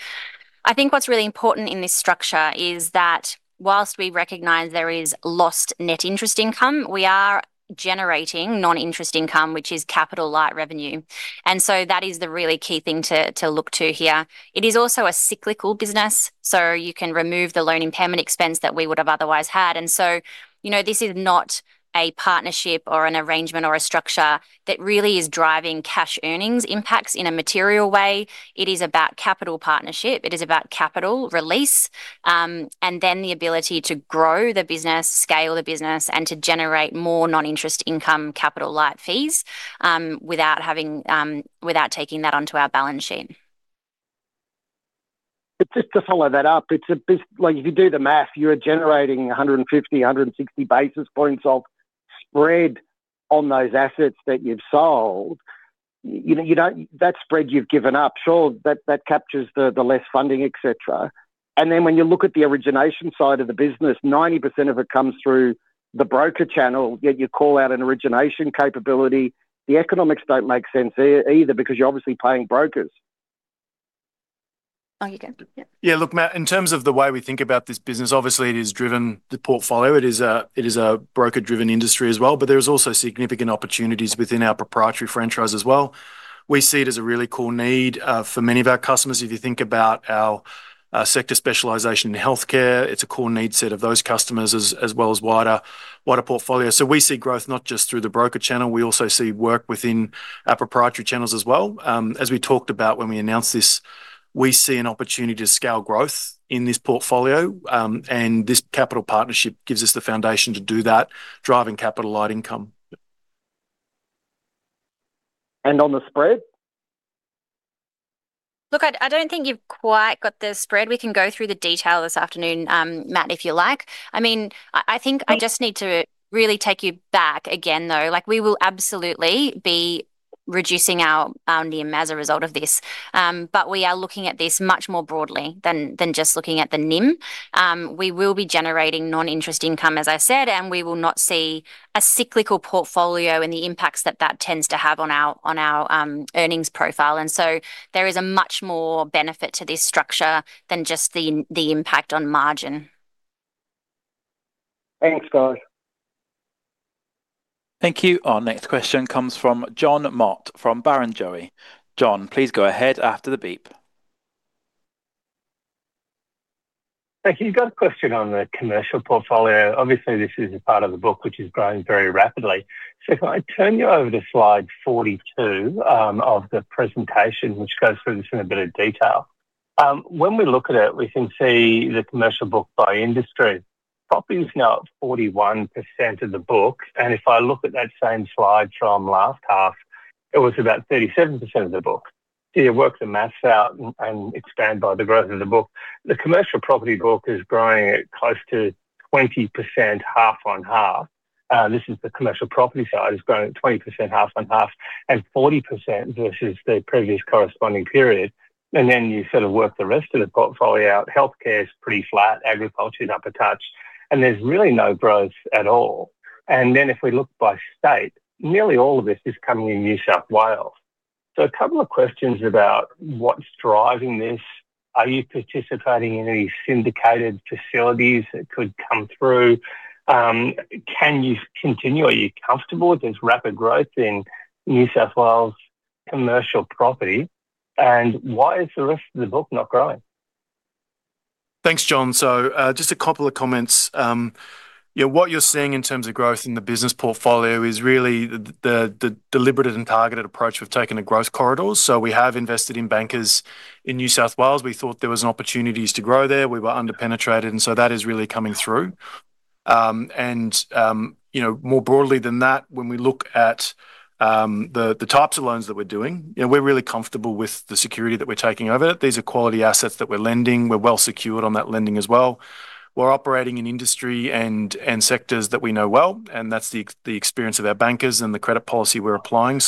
I think what's really important in this structure is that while we recognize there is lost net interest income, we are generating non-interest income, which is capital light revenue, and so that is the really key thing to look to here. It is also a cyclical business, so you can remove the loan impairment expense that we would have otherwise had. This is not a partnership or an arrangement or a structure that really is driving cash earnings impacts in a material way. It is about capital partnership, it is about capital release, and then the ability to grow the business, scale the business, and to generate more non-interest income, capital light fees, without taking that onto our balance sheet. Just to follow that up, if you do the math, you're generating 150, 160 basis points of spread on those assets that you've sold. That spread you've given up, sure, that captures the less funding, et cetera. Then when you look at the origination side of the business, 90% of it comes through the broker channel, yet you call out an origination capability. The economics don't make sense there either, because you're obviously paying brokers. Oh, you go. Yeah. Yeah, look, Matt, in terms of the way we think about this business, obviously it is driven, the portfolio, it is a broker-driven industry as well, but there is also significant opportunities within our proprietary franchise as well. We see it as a really core need for many of our customers. If you think about our sector specialization in healthcare, it's a core need set of those customers as well as wider portfolio. We see growth not just through the broker channel, we also see work within our proprietary channels as well. As we talked about when we announced this, we see an opportunity to scale growth in this portfolio, and this capital partnership gives us the foundation to do that, driving capital light income. On the spread? Look, I don't think you've quite got the spread. We can go through the detail this afternoon, Matt, if you like. I think I just need to really take you back again, though. We will absolutely be reducing our NIM as a result of this, but we are looking at this much more broadly than just looking at the NIM. We will be generating non-interest income, as I said, and we will not see a cyclical portfolio and the impacts that that tends to have on our earnings profile. There is a much more benefit to this structure than just the impact on margin. Thanks, guys. Thank you. Our next question comes from Jon Mott from Barrenjoey. Jon, please go ahead after the beep. Thank you. Got a question on the commercial portfolio. Obviously, this is a part of the book which is growing very rapidly. If I turn you over to slide 42 of the presentation, which goes through this in a bit of detail. When we look at it, we can see the commercial book by industry. Property is now at 41% of the book, and if I look at that same slide from last half, it was about 37% of the book. You work the math out and expand by the growth of the book. The commercial property book is growing at close to 20% half on half. This is the commercial property side growing at 20% half on half and 40% versus the previous corresponding period. Then you work the rest of the portfolio out. Healthcare is pretty flat, agriculture is up a touch, and there's really no growth at all. If we look by state, nearly all of this is coming in New South Wales. A couple of questions about what's driving this. Are you participating in any syndicated facilities that could come through? Can you continue? Are you comfortable with this rapid growth in New South Wales commercial property, and why is the rest of the book not growing? Thanks, Jon. Just a couple of comments. What you're seeing in terms of growth in the business portfolio is really the deliberative and targeted approach we've taken to growth corridors. We have invested in bankers in New South Wales. We thought there was an opportunity to grow there. We were under-penetrated, and so that is really coming through. More broadly than that, when we look at the types of loans that we're doing, we're really comfortable with the security that we're taking over it. These are quality assets that we're lending. We're well secured on that lending as well. We're operating in industry and sectors that we know well, and that's the experience of our bankers and the credit policy we're applying.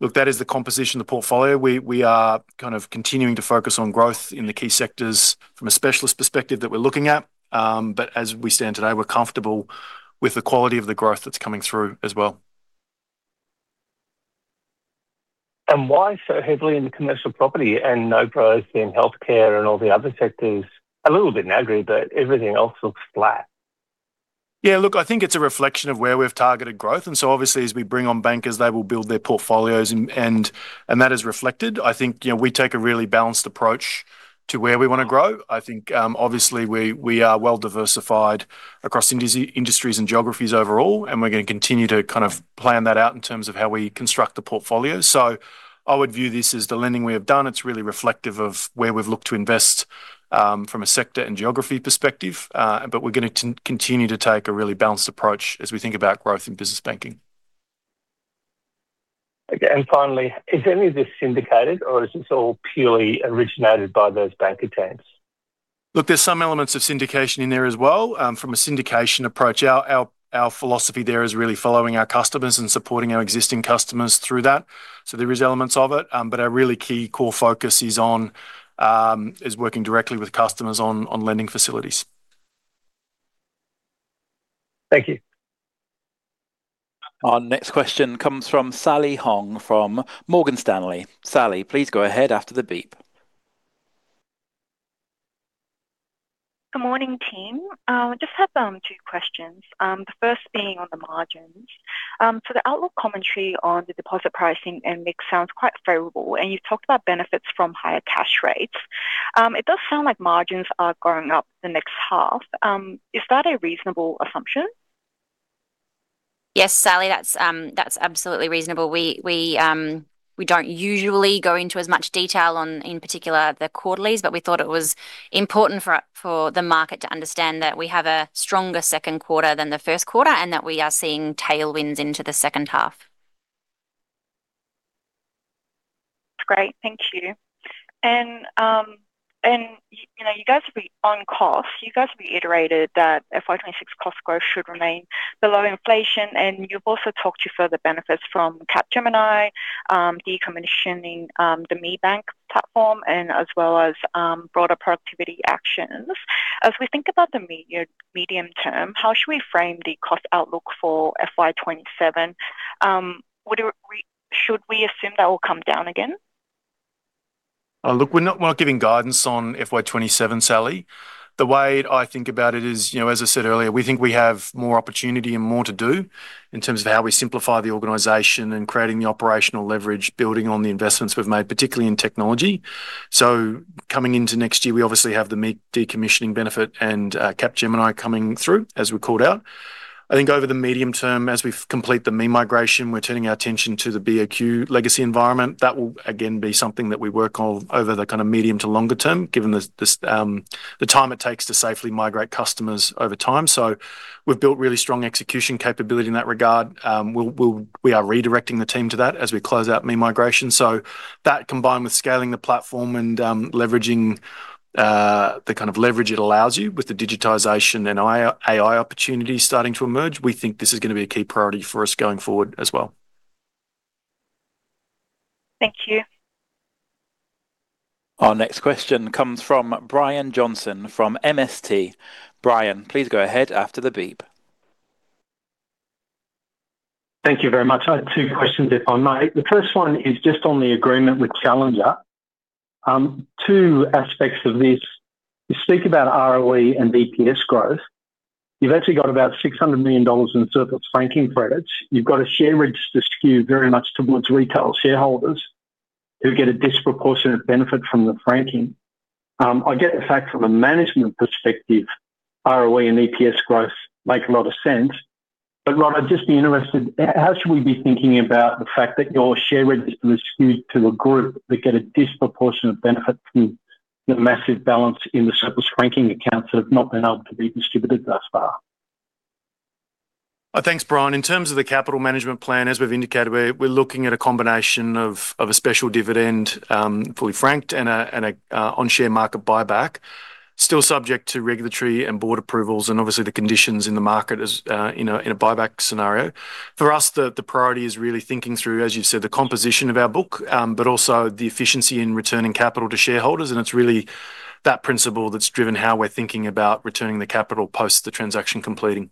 Look, that is the composition of the portfolio. We are continuing to focus on growth in the key sectors from a specialist perspective that we're looking at. As we stand today, we're comfortable with the quality of the growth that's coming through as well. Why so heavily in commercial property and no growth in healthcare and all the other sectors? A little bit in agri, but everything else looks flat. Yeah, look, I think it's a reflection of where we've targeted growth. Obviously as we bring on bankers, they will build their portfolios and that is reflected. I think, we take a really balanced approach to where we want to grow. I think, obviously, we are well diversified across industries and geographies overall, and we're going to continue to plan that out in terms of how we construct the portfolio. I would view this as the lending we have done. It's really reflective of where we've looked to invest, from a sector and geography perspective. We're going to continue to take a really balanced approach as we think about growth in business banking. Okay. Finally, is any of this syndicated or is this all purely originated by those banker teams? Look, there's some elements of syndication in there as well. From a syndication approach, our philosophy there is really following our customers and supporting our existing customers through that. There is elements of it. Our really key core focus is working directly with customers on lending facilities. Thank you. Our next question comes from Sally Hong from Morgan Stanley. Sally, please go ahead after the beep. Good morning, team. I just have two questions. The first being on the margins. The outlook commentary on the deposit pricing and mix sounds quite favorable, and you've talked about benefits from higher cash rates. It does sound like margins are going up the next half. Is that a reasonable assumption? Yes, Sally, that's absolutely reasonable. We don't usually go into as much detail on, in particular, the quarterlies, but we thought it was important for the market to understand that we have a stronger second quarter than the first quarter, and that we are seeing tailwinds into the second half. Great, thank you. You guys have been on cost. You guys have reiterated that FY 2026 cost growth should remain below inflation, and you've also talked to further benefits from Capgemini, decommissioning the ME Bank platform, and as well as broader productivity actions. As we think about the medium-term, how should we frame the cost outlook for FY 2027? Should we assume that will come down again? Look, we're not giving guidance on FY 2027, Sally. The way I think about it is, as I said earlier, we think we have more opportunity and more to do in terms of how we simplify the organization and creating the operational leverage, building on the investments we've made, particularly in technology. Coming into next year, we obviously have the me decommissioning benefit and Capgemini coming through, as we called out. I think over the medium term, as we complete the me migration, we're turning our attention to the BOQ legacy environment. That will again be something that we work on over the medium to longer term, given the time it takes to safely migrate customers over time. We've built really strong execution capability in that regard. We are redirecting the team to that as we close out me migration. That combined with scaling the platform and leveraging the kind of leverage it allows you with the digitization and AI opportunities starting to emerge, we think this is going to be a key priority for us going forward as well. Thank you. Our next question comes from Brian Johnson from MST. Brian, please go ahead after the beep. Thank you very much. I have two questions, if I may. The first one is just on the agreement with Challenger. Two aspects of this. You speak about ROE and BPS growth. You've actually got about 600 million dollars in surplus franking credits. You've got a share register skewed very much towards retail shareholders who get a disproportionate benefit from the franking. I get the fact from a management perspective, ROE and EPS growth make a lot of sense. Rod, I'd just be interested, how should we be thinking about the fact that your share register was skewed to a group that get a disproportionate benefit from the massive balance in the surplus franking accounts that have not been able to be distributed thus far? Thanks, Brian. In terms of the capital management plan, as we've indicated, we're looking at a combination of a special dividend, fully franked, and on-share market buyback, still subject to regulatory and board approvals and obviously the conditions in the market in a buyback scenario. For us, the priority is really thinking through, as you've said, the composition of our book, but also the efficiency in returning capital to shareholders. It's really that principle that's driven how we're thinking about returning the capital post the transaction completing.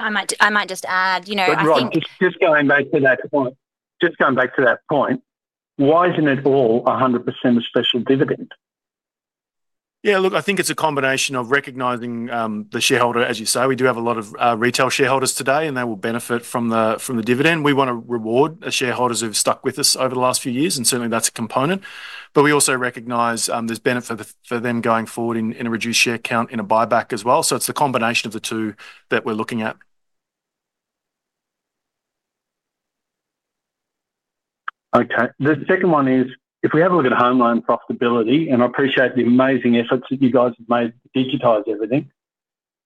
I might just add, you know, I think- Rod, just going back to that point, why isn't it all 100% a special dividend? Yeah, look, I think it's a combination of recognizing the shareholder, as you say. We do have a lot of retail shareholders today, and they will benefit from the dividend. We want to reward our shareholders who've stuck with us over the last few years, and certainly that's a component. We also recognize there's benefit for them going forward in a reduced share count in a buyback as well. It's a combination of the two that we're looking at. Okay. The second one is, if we have a look at home loan profitability, and I appreciate the amazing efforts that you guys have made to digitize everything.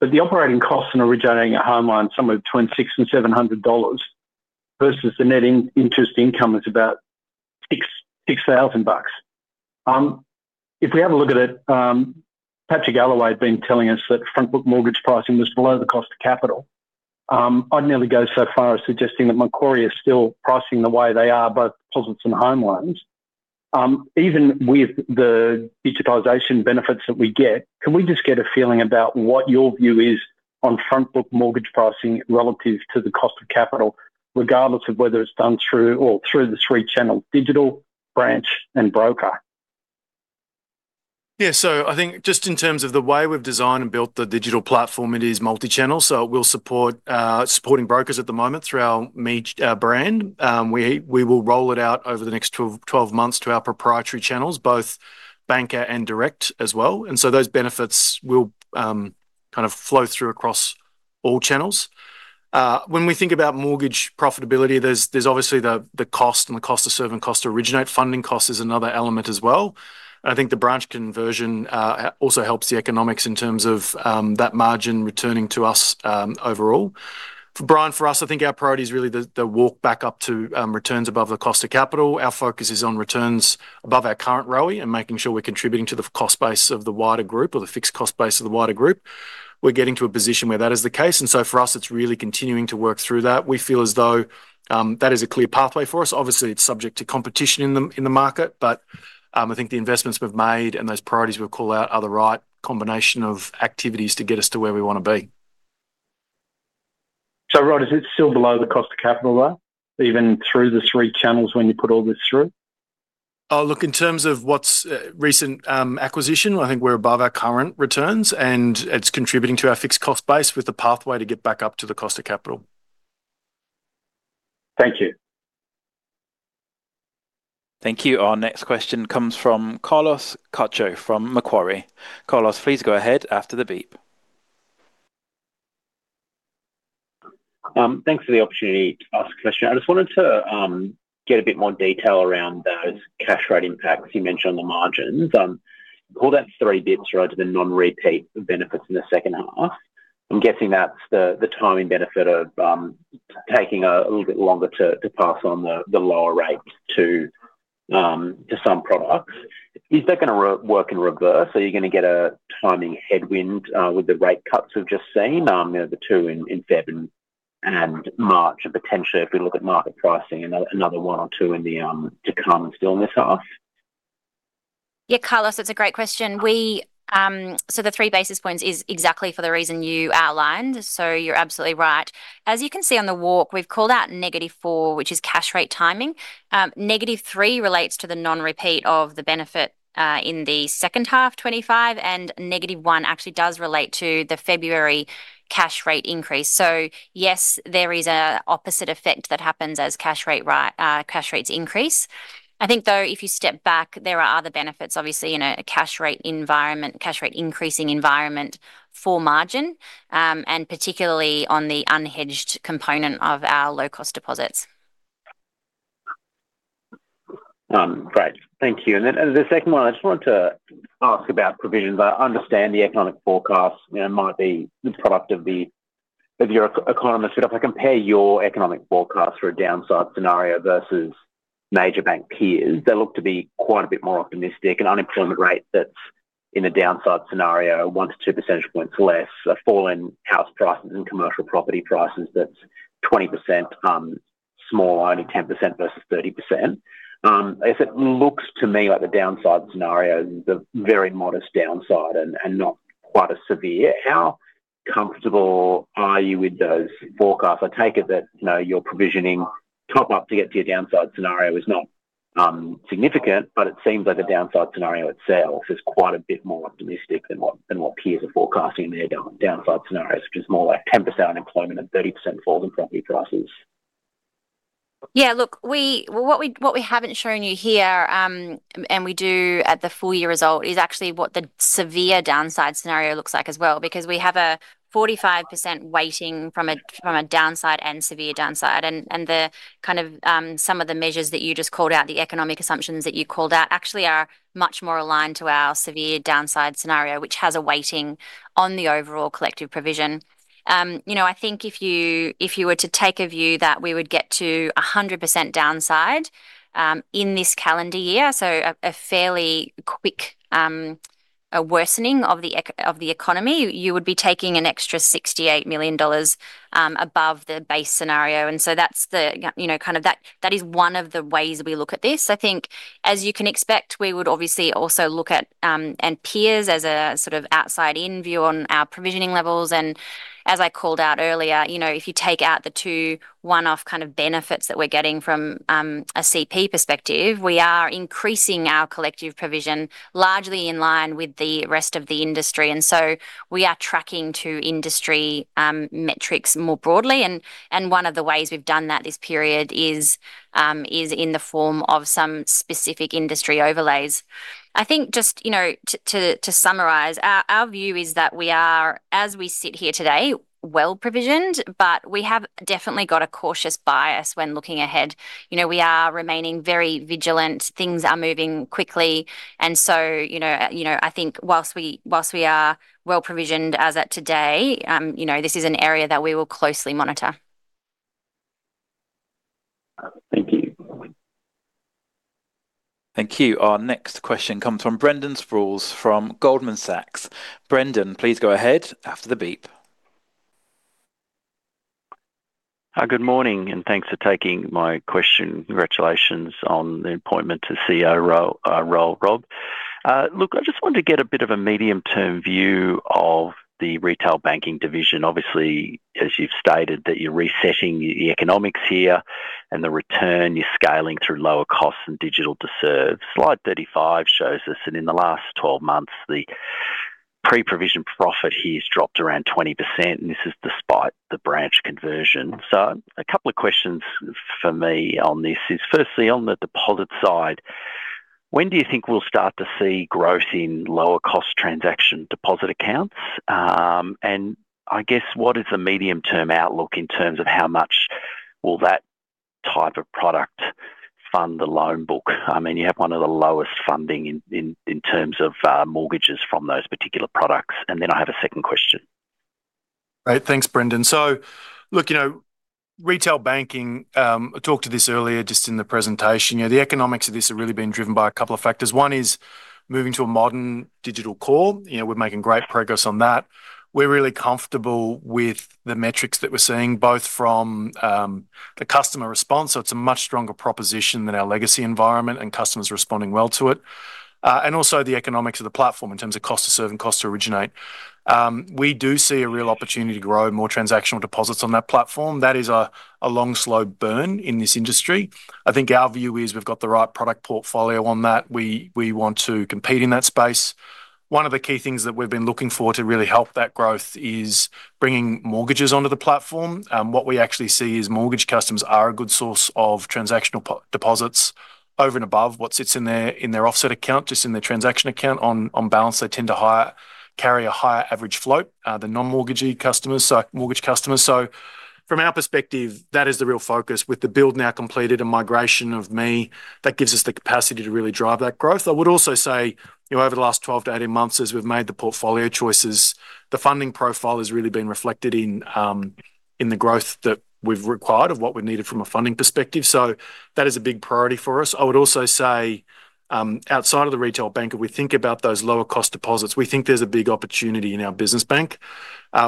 The operating costs in originating a home loan somewhere between 600 and 700 dollars versus the net interest income is about 6,000 bucks. If we have a look at it, Patrick Allaway had been telling us that front book mortgage pricing was below the cost of capital. I'd nearly go so far as suggesting that Macquarie is still pricing the way they are both deposits and home loans. Even with the digitization benefits that we get, can we just get a feeling about what your view is on front book mortgage pricing relative to the cost of capital, regardless of whether it's done through or through the three channels, digital, branch and broker? Yeah. I think just in terms of the way we've designed and built the digital platform, it is multi-channel. It will support supporting brokers at the moment through our brand. We will roll it out over the next 12 months to our proprietary channels, both banker and direct as well. Those benefits will kind of flow through across all channels. When we think about mortgage profitability, there's obviously the cost and the cost to serve and cost to originate. Funding cost is another element as well. I think the branch conversion also helps the economics in terms of that margin returning to us overall. For Brian, for us, I think our priority is really the walk back up to returns above the cost of capital. Our focus is on returns above our current ROE and making sure we're contributing to the cost base of the wider group or the fixed cost base of the wider group. We're getting to a position where that is the case. For us, it's really continuing to work through that. We feel as though that is a clear pathway for us. Obviously, it's subject to competition in the market, but I think the investments we've made and those priorities we'll call out are the right combination of activities to get us to where we want to be. Rod, is it still below the cost of capital though, even through the three channels when you put all this through? Look, in terms of the recent acquisition, I think it's above our current returns and it's contributing to our fixed cost base with the pathway to get back up to the cost of capital. Thank you. Thank you. Our next question comes from Carlos Cacho from Macquarie. Carlos, please go ahead after the beep. Thanks for the opportunity to ask a question. I just wanted to get a bit more detail around those cash rate impacts you mentioned on the margins. Call that three bits to the non-repeat benefits in the second half. I'm guessing that's the timing benefit of taking a little bit longer to pass on the lower rates to some products. Is that going to work in reverse? Are you going to get a timing headwind with the rate cuts we've just seen, the two in February and March potentially, if we look at market pricing, another one or two in the, to come still in this half? Yeah, Carlos, it's a great question. The 3 basis points is exactly for the reason you outlined. You're absolutely right. As you can see on the walk, we've called out negative four, which is cash rate timing. Negative three relates to the non-repeat of the benefit, in the second half 2025. Negative one actually does relate to the February cash rate increase. Yes, there is an opposite effect that happens as cash rates increase. I think though, if you step back, there are other benefits, obviously, in a cash rate increasing environment for margin, and particularly on the unhedged component of our low-cost deposits. Great. Thank you. The second one, I just wanted to ask about provisions. I understand the economic forecast might be the product of your economist, but if I compare your economic forecast for a downside scenario versus major bank peers, they look to be quite a bit more optimistic. An unemployment rate that's in a downside scenario, 1 percentage points-2 percentage points less, a fall in house prices and commercial property prices that's 20% smaller, only 10% versus 30%. If it looks to me like the downside scenario is a very modest downside and not quite as severe, how comfortable are you with those forecasts? I take it that your provisioning top up to get to your downside scenario is not significant, but it seems like the downside scenario itself is quite a bit more optimistic than what peers are forecasting in their downside scenarios, which is more like 10% unemployment and 30% fall in property prices. Yeah, look, what we haven't shown you here, and we do at the full year result, is actually what the severe downside scenario looks like as well, because we have a 45% weighting from a downside and severe downside. Some of the measures that you just called out, the economic assumptions that you called out, actually are much more aligned to our severe downside scenario, which has a weighting on the overall collective provision. I think if you were to take a view that we would get to 100% downside, in this calendar year, so a fairly quick worsening of the economy, you would be taking an extra 68 million dollars above the base scenario. That is one of the ways we look at this. I think as you can expect, we would obviously also look at peers as a sort of outside-in view on our provisioning levels. As I called out earlier, if you take out the two one-off kind of benefits that we're getting from a CP perspective, we are increasing our collective provision largely in line with the rest of the industry. We are tracking to industry metrics more broadly. One of the ways we've done that this period is in the form of some specific industry overlays. I think just to summarize, our view is that we are, as we sit here today, well-provisioned, but we have definitely got a cautious bias when looking ahead. We are remaining very vigilant. Things are moving quickly. I think while we are well-provisioned as at today, this is an area that we will closely monitor. Thank you. Thank you. Our next question comes from Brendan Sproules from Goldman Sachs. Brendan, please go ahead after the beep. Hi, good morning, and thanks for taking my question. Congratulations on the appointment to CEO role, Rod. Look, I just wanted to get a bit of a medium-term view of the retail banking division. Obviously, as you've stated that you're resetting the economics here and the return, you're scaling through lower costs and digital to serve. Slide 35 shows us that in the last 12 months, the pre-provision profit here has dropped around 20%, and this is despite the branch conversion. A couple of questions from me on this is firstly, on the deposit side, when do you think we'll start to see growth in lower cost transaction deposit accounts? And I guess, what is the medium-term outlook in terms of how much will that type of product fund the loan book? I mean, you have one of the lowest funding in terms of, mortgages from those particular products. I have a second question. Great. Thanks, Brendan. Look, retail banking, I talked to this earlier just in the presentation. The economics of this have really been driven by a couple of factors. One is moving to a modern digital core. We're making great progress on that. We're really comfortable with the metrics that we're seeing, both from the customer response. It's a much stronger proposition than our legacy environment, and customers are responding well to it. Also the economics of the platform in terms of cost to serve and cost to originate. We do see a real opportunity to grow more transactional deposits on that platform. That is a long, slow burn in this industry. I think our view is we've got the right product portfolio on that. We want to compete in that space. One of the key things that we've been looking for to really help that growth is bringing mortgages onto the platform. What we actually see is mortgage customers are a good source of transactional deposits over and above what sits in their offset account, just in their transaction account. On balance, they tend to carry a higher average float than non-mortgage customers, so mortgage customers. From our perspective, that is the real focus. With the build now completed, a migration of ME, that gives us the capacity to really drive that growth. I would also say over the last 12-18 months, as we've made the portfolio choices, the funding profile has really been reflected in the growth that we've required of what we needed from a funding perspective. That is a big priority for us. I would also say, outside of the retail bank, if we think about those lower cost deposits, we think there's a big opportunity in our business bank.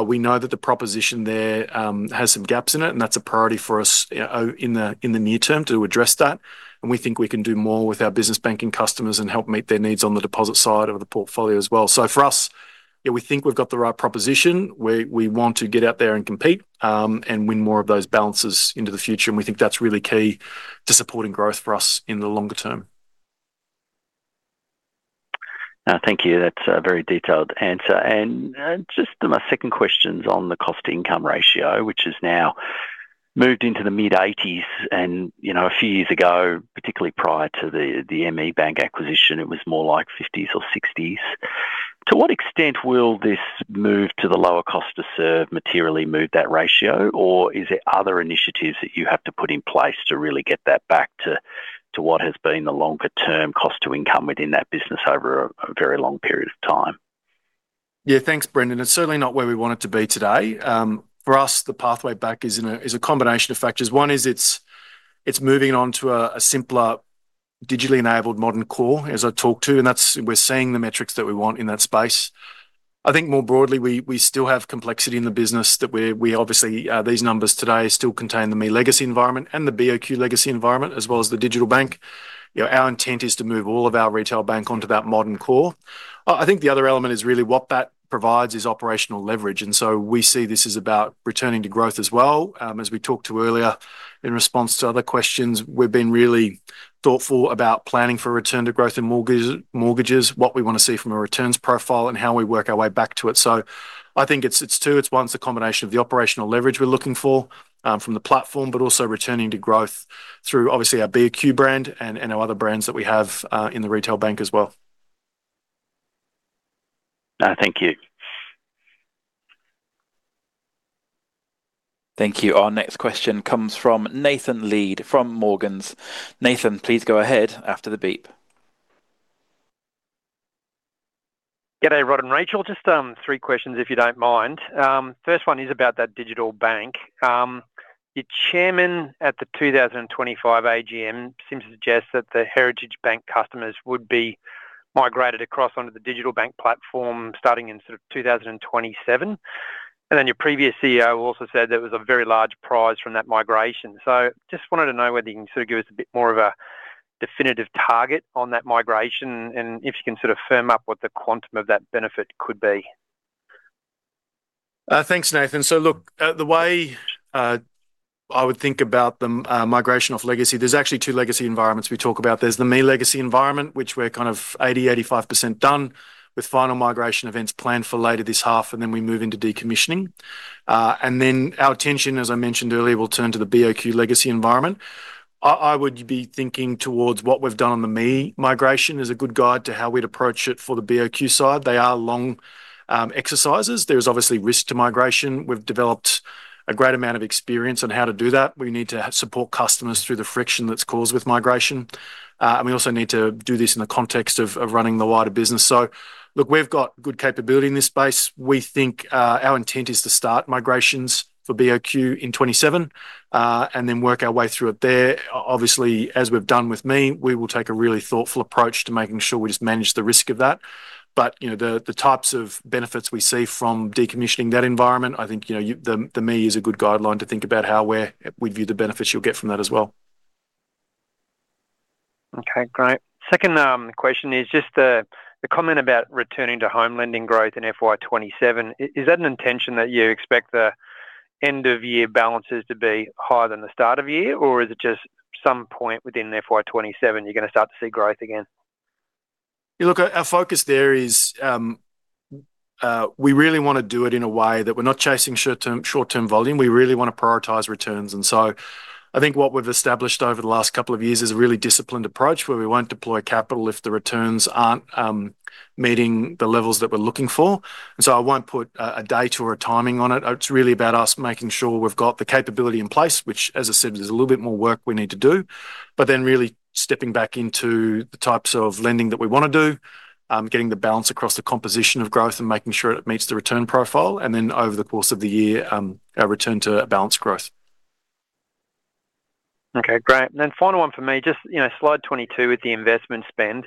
We know that the proposition there, has some gaps in it, and that's a priority for us in the near term to address that, and we think we can do more with our business banking customers and help meet their needs on the deposit side of the portfolio as well. For us, we think we've got the right proposition. We want to get out there and compete, and win more of those balances into the future, and we think that's really key to supporting growth for us in the longer term. Thank you. That's a very detailed answer. Just my second question is on the cost-to-income ratio, which has now moved into the mid-80s, and a few years ago, particularly prior to the ME Bank acquisition, it was more like 50s or 60s. To what extent will this move to the lower cost to serve materially move that ratio? Or is it other initiatives that you have to put in place to really get that back to what has been the longer-term cost to income within that business over a very long period of time? Yeah. Thanks, Brendan. It's certainly not where we want it to be today. For us, the pathway back is a combination of factors. One is it's moving on to a simpler, digitally enabled modern core, as I talked to, and we're seeing the metrics that we want in that space. I think more broadly, we still have complexity in the business that we obviously, these numbers today still contain the ME legacy environment and the BOQ legacy environment, as well as the digital bank. Our intent is to move all of our retail bank onto that modern core. I think the other element is really what that provides is operational leverage, and so we see this as about returning to growth as well. As we talked to earlier in response to other questions, we've been really thoughtful about planning for return to growth in mortgages, what we want to see from a returns profile, and how we work our way back to it. I think it's two. It's one, it's a combination of the operational leverage we're looking for, from the platform, but also returning to growth through obviously our BOQ brand and our other brands that we have, in the retail bank as well. Thank you. Thank you. Our next question comes from Nathan Lead from Morgans. Nathan, please go ahead after the beep. G'day, Rod and Racheal. Just three questions, if you don't mind. First one is about that digital bank. Your chairman at the 2025 AGM seems to suggest that the Heritage Bank customers would be migrated across onto the digital bank platform starting in sort of 2027. Your previous CEO also said there was a very large prize from that migration. Just wanted to know whether you can sort of give us a bit more of a definitive target on that migration and if you can sort of firm up what the quantum of that benefit could be. Thanks, Nathan. Look, the way I would think about the migration of legacy, there's actually two legacy environments we talk about. There's the ME legacy environment, which we're kind of 80%-85% done, with final migration events planned for later this half, and then we move into decommissioning. Our attention, as I mentioned earlier, will turn to the BOQ legacy environment. I would be thinking towards what we've done on the ME migration is a good guide to how we'd approach it for the BOQ side. They are long exercises. There is obviously risk to migration. We've developed a great amount of experience on how to do that. We need to support customers through the friction that's caused with migration. We also need to do this in the context of running the wider business. Look, we've got good capability in this space. We think our intent is to start migrations for BOQ in 2027, and then work our way through it there. Obviously, as we've done with ME, we will take a really thoughtful approach to making sure we just manage the risk of that. The types of benefits we see from decommissioning that environment, I think, the ME is a good guideline to think about how we'd view the benefits you'll get from that as well. Okay, great. Second question is just the comment about returning to home lending growth in FY 2027. Is that an intention that you expect the end of year balances to be higher than the start of year, or is it just some point within FY 2027 you're going to start to see growth again? Look, our focus there is, we really want to do it in a way that we're not chasing short-term volume. We really want to prioritize returns. I think what we've established over the last couple of years is a really disciplined approach where we won't deploy capital if the returns aren't meeting the levels that we're looking for. I won't put a date or a timing on it. It's really about us making sure we've got the capability in place, which as I said, is a little bit more work we need to do. Really stepping back into the types of lending that we want to do, getting the balance across the composition of growth and making sure it meets the return profile. Over the course of the year, our return to balanced growth. Okay, great. Then final one from me, just slide 22 with the investment spend.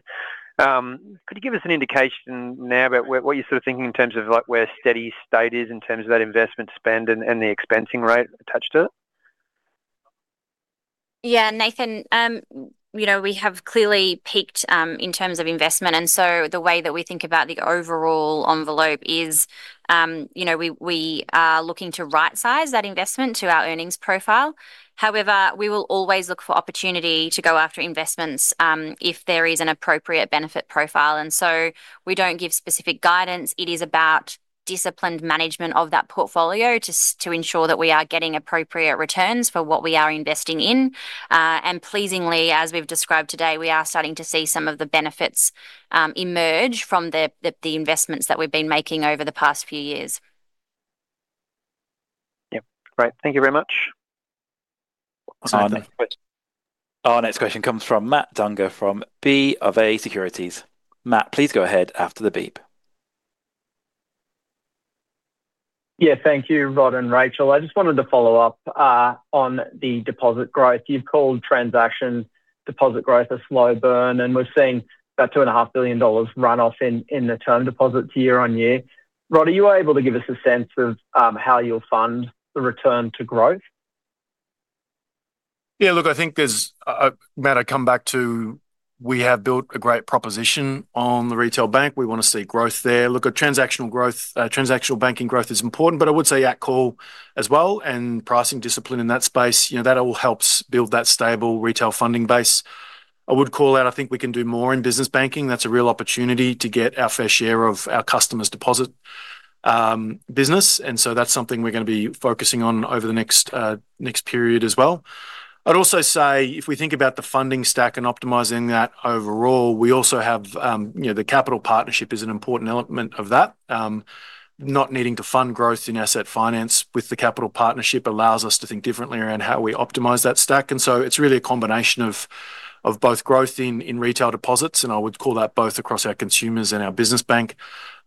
Could you give us an indication now about what you're thinking in terms of where steady state is in terms of that investment spend and the expensing rate attached to it? Yeah, Nathan, we have clearly peaked, in terms of investment, and so the way that we think about the overall envelope is, we are looking to right-size that investment to our earnings profile. However, we will always look for opportunity to go after investments, if there is an appropriate benefit profile. We don't give specific guidance. It is about disciplined management of that portfolio to ensure that we are getting appropriate returns for what we are investing in. Pleasingly, as we've described today, we are starting to see some of the benefits emerge from the investments that we've been making over the past few years. Yep, great. Thank you very much. Our next question comes from Matt Dangar from BofA Securities. Matt, please go ahead after the beep. Yeah, thank you, Rod and Racheal. I just wanted to follow up on the deposit growth. You've called transaction deposit growth a slow burn, and we're seeing about 2.5 billion dollars run off in the term deposits year-on-year. Rod, are you able to give us a sense of how you'll fund the return to growth? Yeah, look, I think there's, Matt, I come back to, we have built a great proposition on the retail bank. We want to see growth there. Look, transactional banking growth is important, but I would say at call as well, and pricing discipline in that space, that all helps build that stable retail funding base. I would call out, I think we can do more in business banking. That's a real opportunity to get our fair share of our customers' deposit business. That's something we're going to be focusing on over the next period as well. I'd also say, if we think about the funding stack and optimizing that overall, we also have, the capital partnership is an important element of that. Not needing to fund growth in asset finance with the capital partnership allows us to think differently around how we optimize that stack. It's really a combination of both growth in retail deposits, and I would call that both across our consumers and our business bank.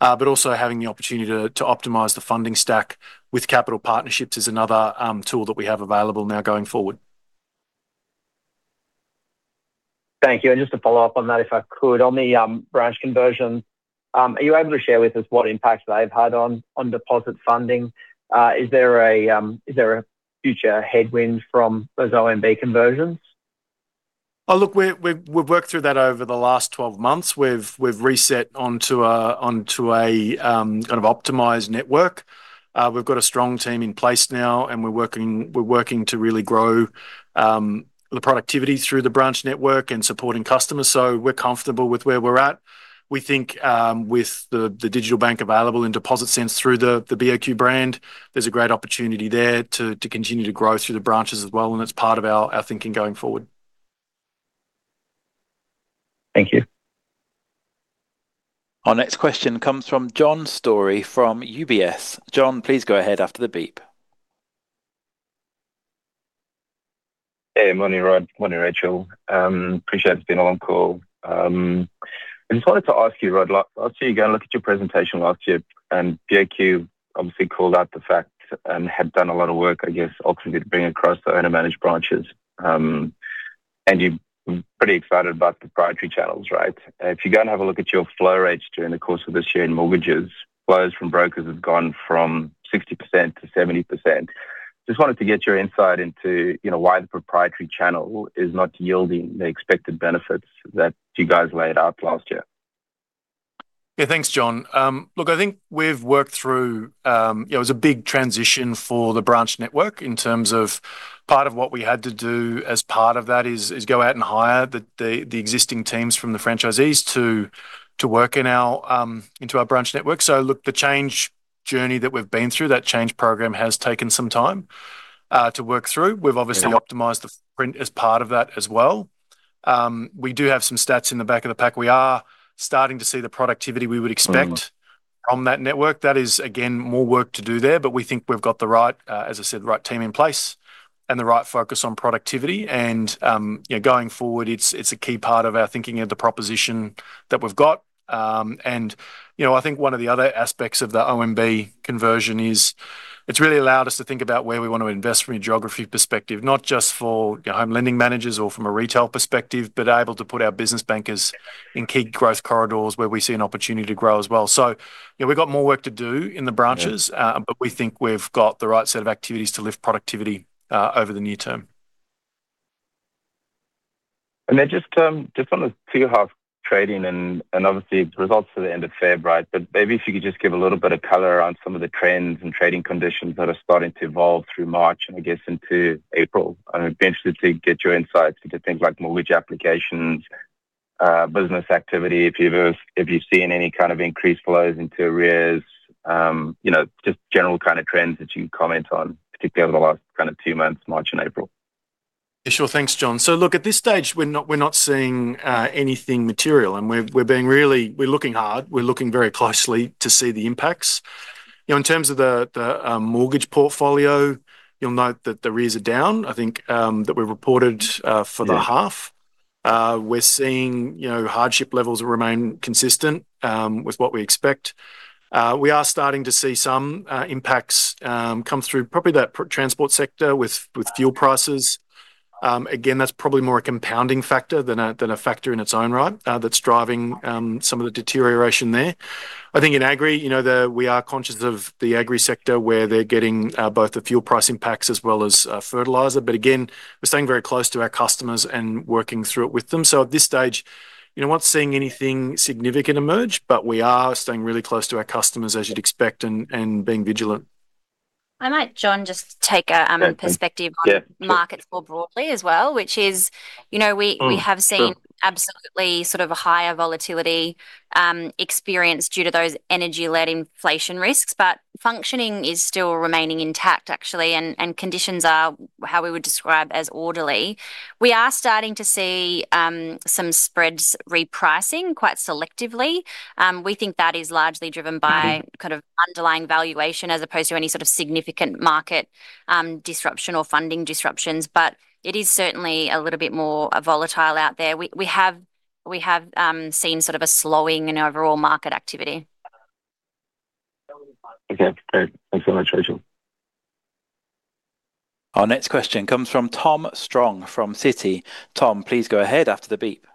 Also having the opportunity to optimize the funding stack with capital partnerships is another tool that we have available now going forward. Thank you. Just to follow up on that, if I could. On the branch conversion, are you able to share with us what impact they've had on deposit funding? Is there a future headwind from those OMB conversions? Look, we've worked through that over the last 12 months. We've reset onto a kind of optimized network. We've got a strong team in place now, and we're working to really grow the productivity through the branch network and supporting customers, so we're comfortable with where we're at. We think, with the digital bank available in deposit sense through the BOQ brand, there's a great opportunity there to continue to grow through the branches as well, and it's part of our thinking going forward. Thank you. Our next question comes from John Storey from UBS. John, please go ahead after the beep. Hey, morning Rod, morning Racheal. Appreciate it's been a long call. I just wanted to ask you, Rod. I see you go and look at your presentation last year, and BOQ obviously called out the fact and had done a lot of work, I guess, obviously, to bring across the owner-managed branches. You're pretty excited about the proprietary channels, right? If you go and have a look at your flow rates during the course of this year in mortgages, flows from brokers have gone from 60% to 70%. Just wanted to get your insight into why the proprietary channel is not yielding the expected benefits that you guys laid out last year. Yeah, thanks, John. Look, I think we've worked through. It was a big transition for the branch network in terms of part of what we had to do as part of that is go out and hire the existing teams from the franchisees to work into our branch network. Look, the change journey that we've been through, that change program has taken some time to work through. We've obviously optimized the footprint as part of that as well. We do have some stats in the back of the pack. We are starting to see the productivity we would expect- Mm-hmm. -from that network. That is, again, more work to do there, but we think we've got, as I said, the right team in place and the right focus on productivity. Going forward, it's a key part of our thinking of the proposition that we've got. I think one of the other aspects of the OMB conversion is it's really allowed us to think about where we want to invest from a geography perspective, not just for home lending managers or from a retail perspective, but able to put our business bankers in key growth corridors where we see an opportunity to grow as well. We've got more work to do in the branches. Yeah. We think we've got the right set of activities to lift productivity over the near term. Just on the two half trading and obviously results for the end of February, right? Maybe if you could just give a little bit of color on some of the trends and trading conditions that are starting to evolve through March and I guess into April. I'd be interested to get your insights into things like mortgage applications, business activity, if you've seen any kind of increased flows into arrears, just general kind of trends that you can comment on, particularly over the last two months, March and April. Sure. Thanks, John. Look, at this stage, we're not seeing anything material and we're being really. We're looking hard. We're looking very closely to see the impacts. In terms of the mortgage portfolio, you'll note that the arrears are down, I think that we reported for the half. Yeah. We're seeing hardship levels remain consistent with what we expect. We are starting to see some impacts come through, probably that transport sector with fuel prices. Again, that's probably more a compounding factor than a factor in its own right that's driving some of the deterioration there. I think in agri, we are conscious of the agri sector where they're getting both the fuel price impacts as well as fertilizer. Again, we're staying very close to our customers and working through it with them. At this stage, we're not seeing anything significant emerge, but we are staying really close to our customers as you'd expect and being vigilant. I might, John, just take a- Okay. -perspective on- Yeah. -market more broadly as well, which is we have seen- Sure. -absolutely sort of a higher volatility experience due to those energy-led inflation risks, but functioning is still remaining intact actually, and conditions are how we would describe as orderly. We are starting to see some spreads repricing quite selectively. We think that is largely driven by kind of underlying valuation as opposed to any sort of significant market disruption or funding disruptions. It is certainly a little bit more volatile out there. We have seen sort of a slowing in overall market activity. Okay. Great. Thanks very much, Racheal. Our next question comes from Tom Strong, from Citi. Tom, please go ahead after the beep.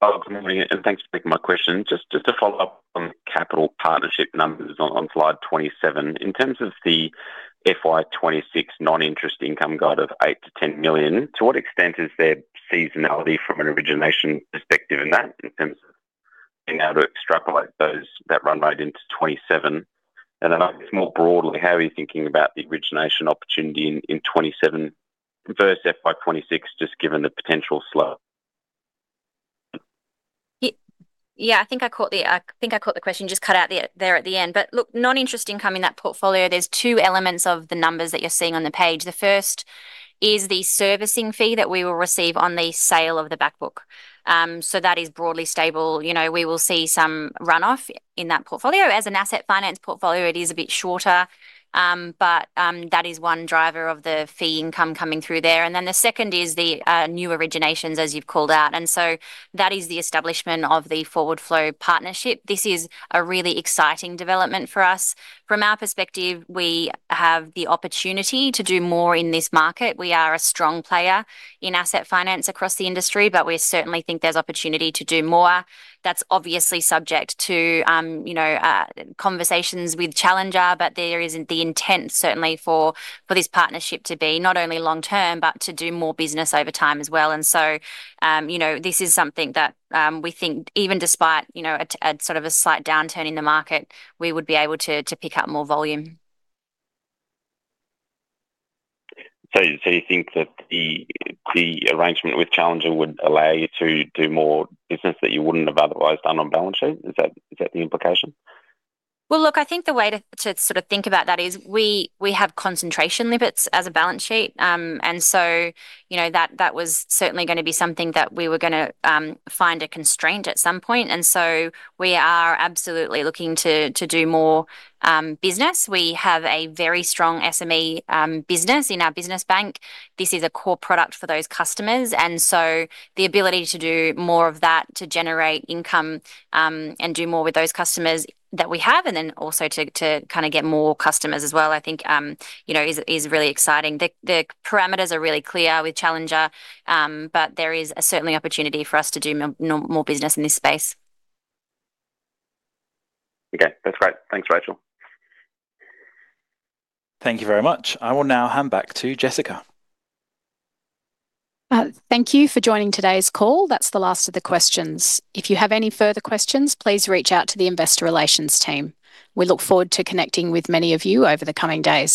Good morning and thanks for taking my question. Just to follow up on capital partnership numbers on slide 27. In terms of the FY 2026 non-interest income guide of 8 million-10 million, to what extent is there seasonality from an origination perspective in that in terms of being able to extrapolate that run rate into 2027? And then I guess more broadly, how are you thinking about the origination opportunity in 2027 versus FY 2026, just given the potential slowdown? Yeah, I think I caught the question, just cut out there at the end. Look, non-interest income in that portfolio, there's two elements of the numbers that you're seeing on the page. The first is the servicing fee that we will receive on the sale of the back book. That is broadly stable. We will see some runoff in that portfolio. As an asset finance portfolio, it is a bit shorter. That is one driver of the fee income coming through there. Then the second is the new originations, as you've called out. That is the establishment of the forward flow partnership. This is a really exciting development for us. From our perspective, we have the opportunity to do more in this market. We are a strong player in asset finance across the industry, but we certainly think there's opportunity to do more. That's obviously subject to conversations with Challenger, but there is the intent, certainly, for this partnership to be not only long-term, but to do more business over time as well. This is something that we think even despite a sort of a slight downturn in the market, we would be able to pick up more volume. You think that the arrangement with Challenger would allow you to do more business that you wouldn't have otherwise done on balance sheet? Is that the implication? Well, look, I think the way to sort of think about that is we have concentration limits as a balance sheet. That was certainly going to be something that we were going to find a constraint at some point. We are absolutely looking to do more business. We have a very strong SME business in our business bank. This is a core product for those customers. The ability to do more of that to generate income, and do more with those customers that we have, and then also to kind of get more customers as well, I think, is really exciting. The parameters are really clear with Challenger, but there is certainly a opportunity for us to do more business in this space. Okay. That's great. Thanks, Racheal. Thank you very much. I will now hand back to Jessica. Thank you for joining today's call. That's the last of the questions. If you have any further questions, please reach out to the investor relations team. We look forward to connecting with many of you over the coming days.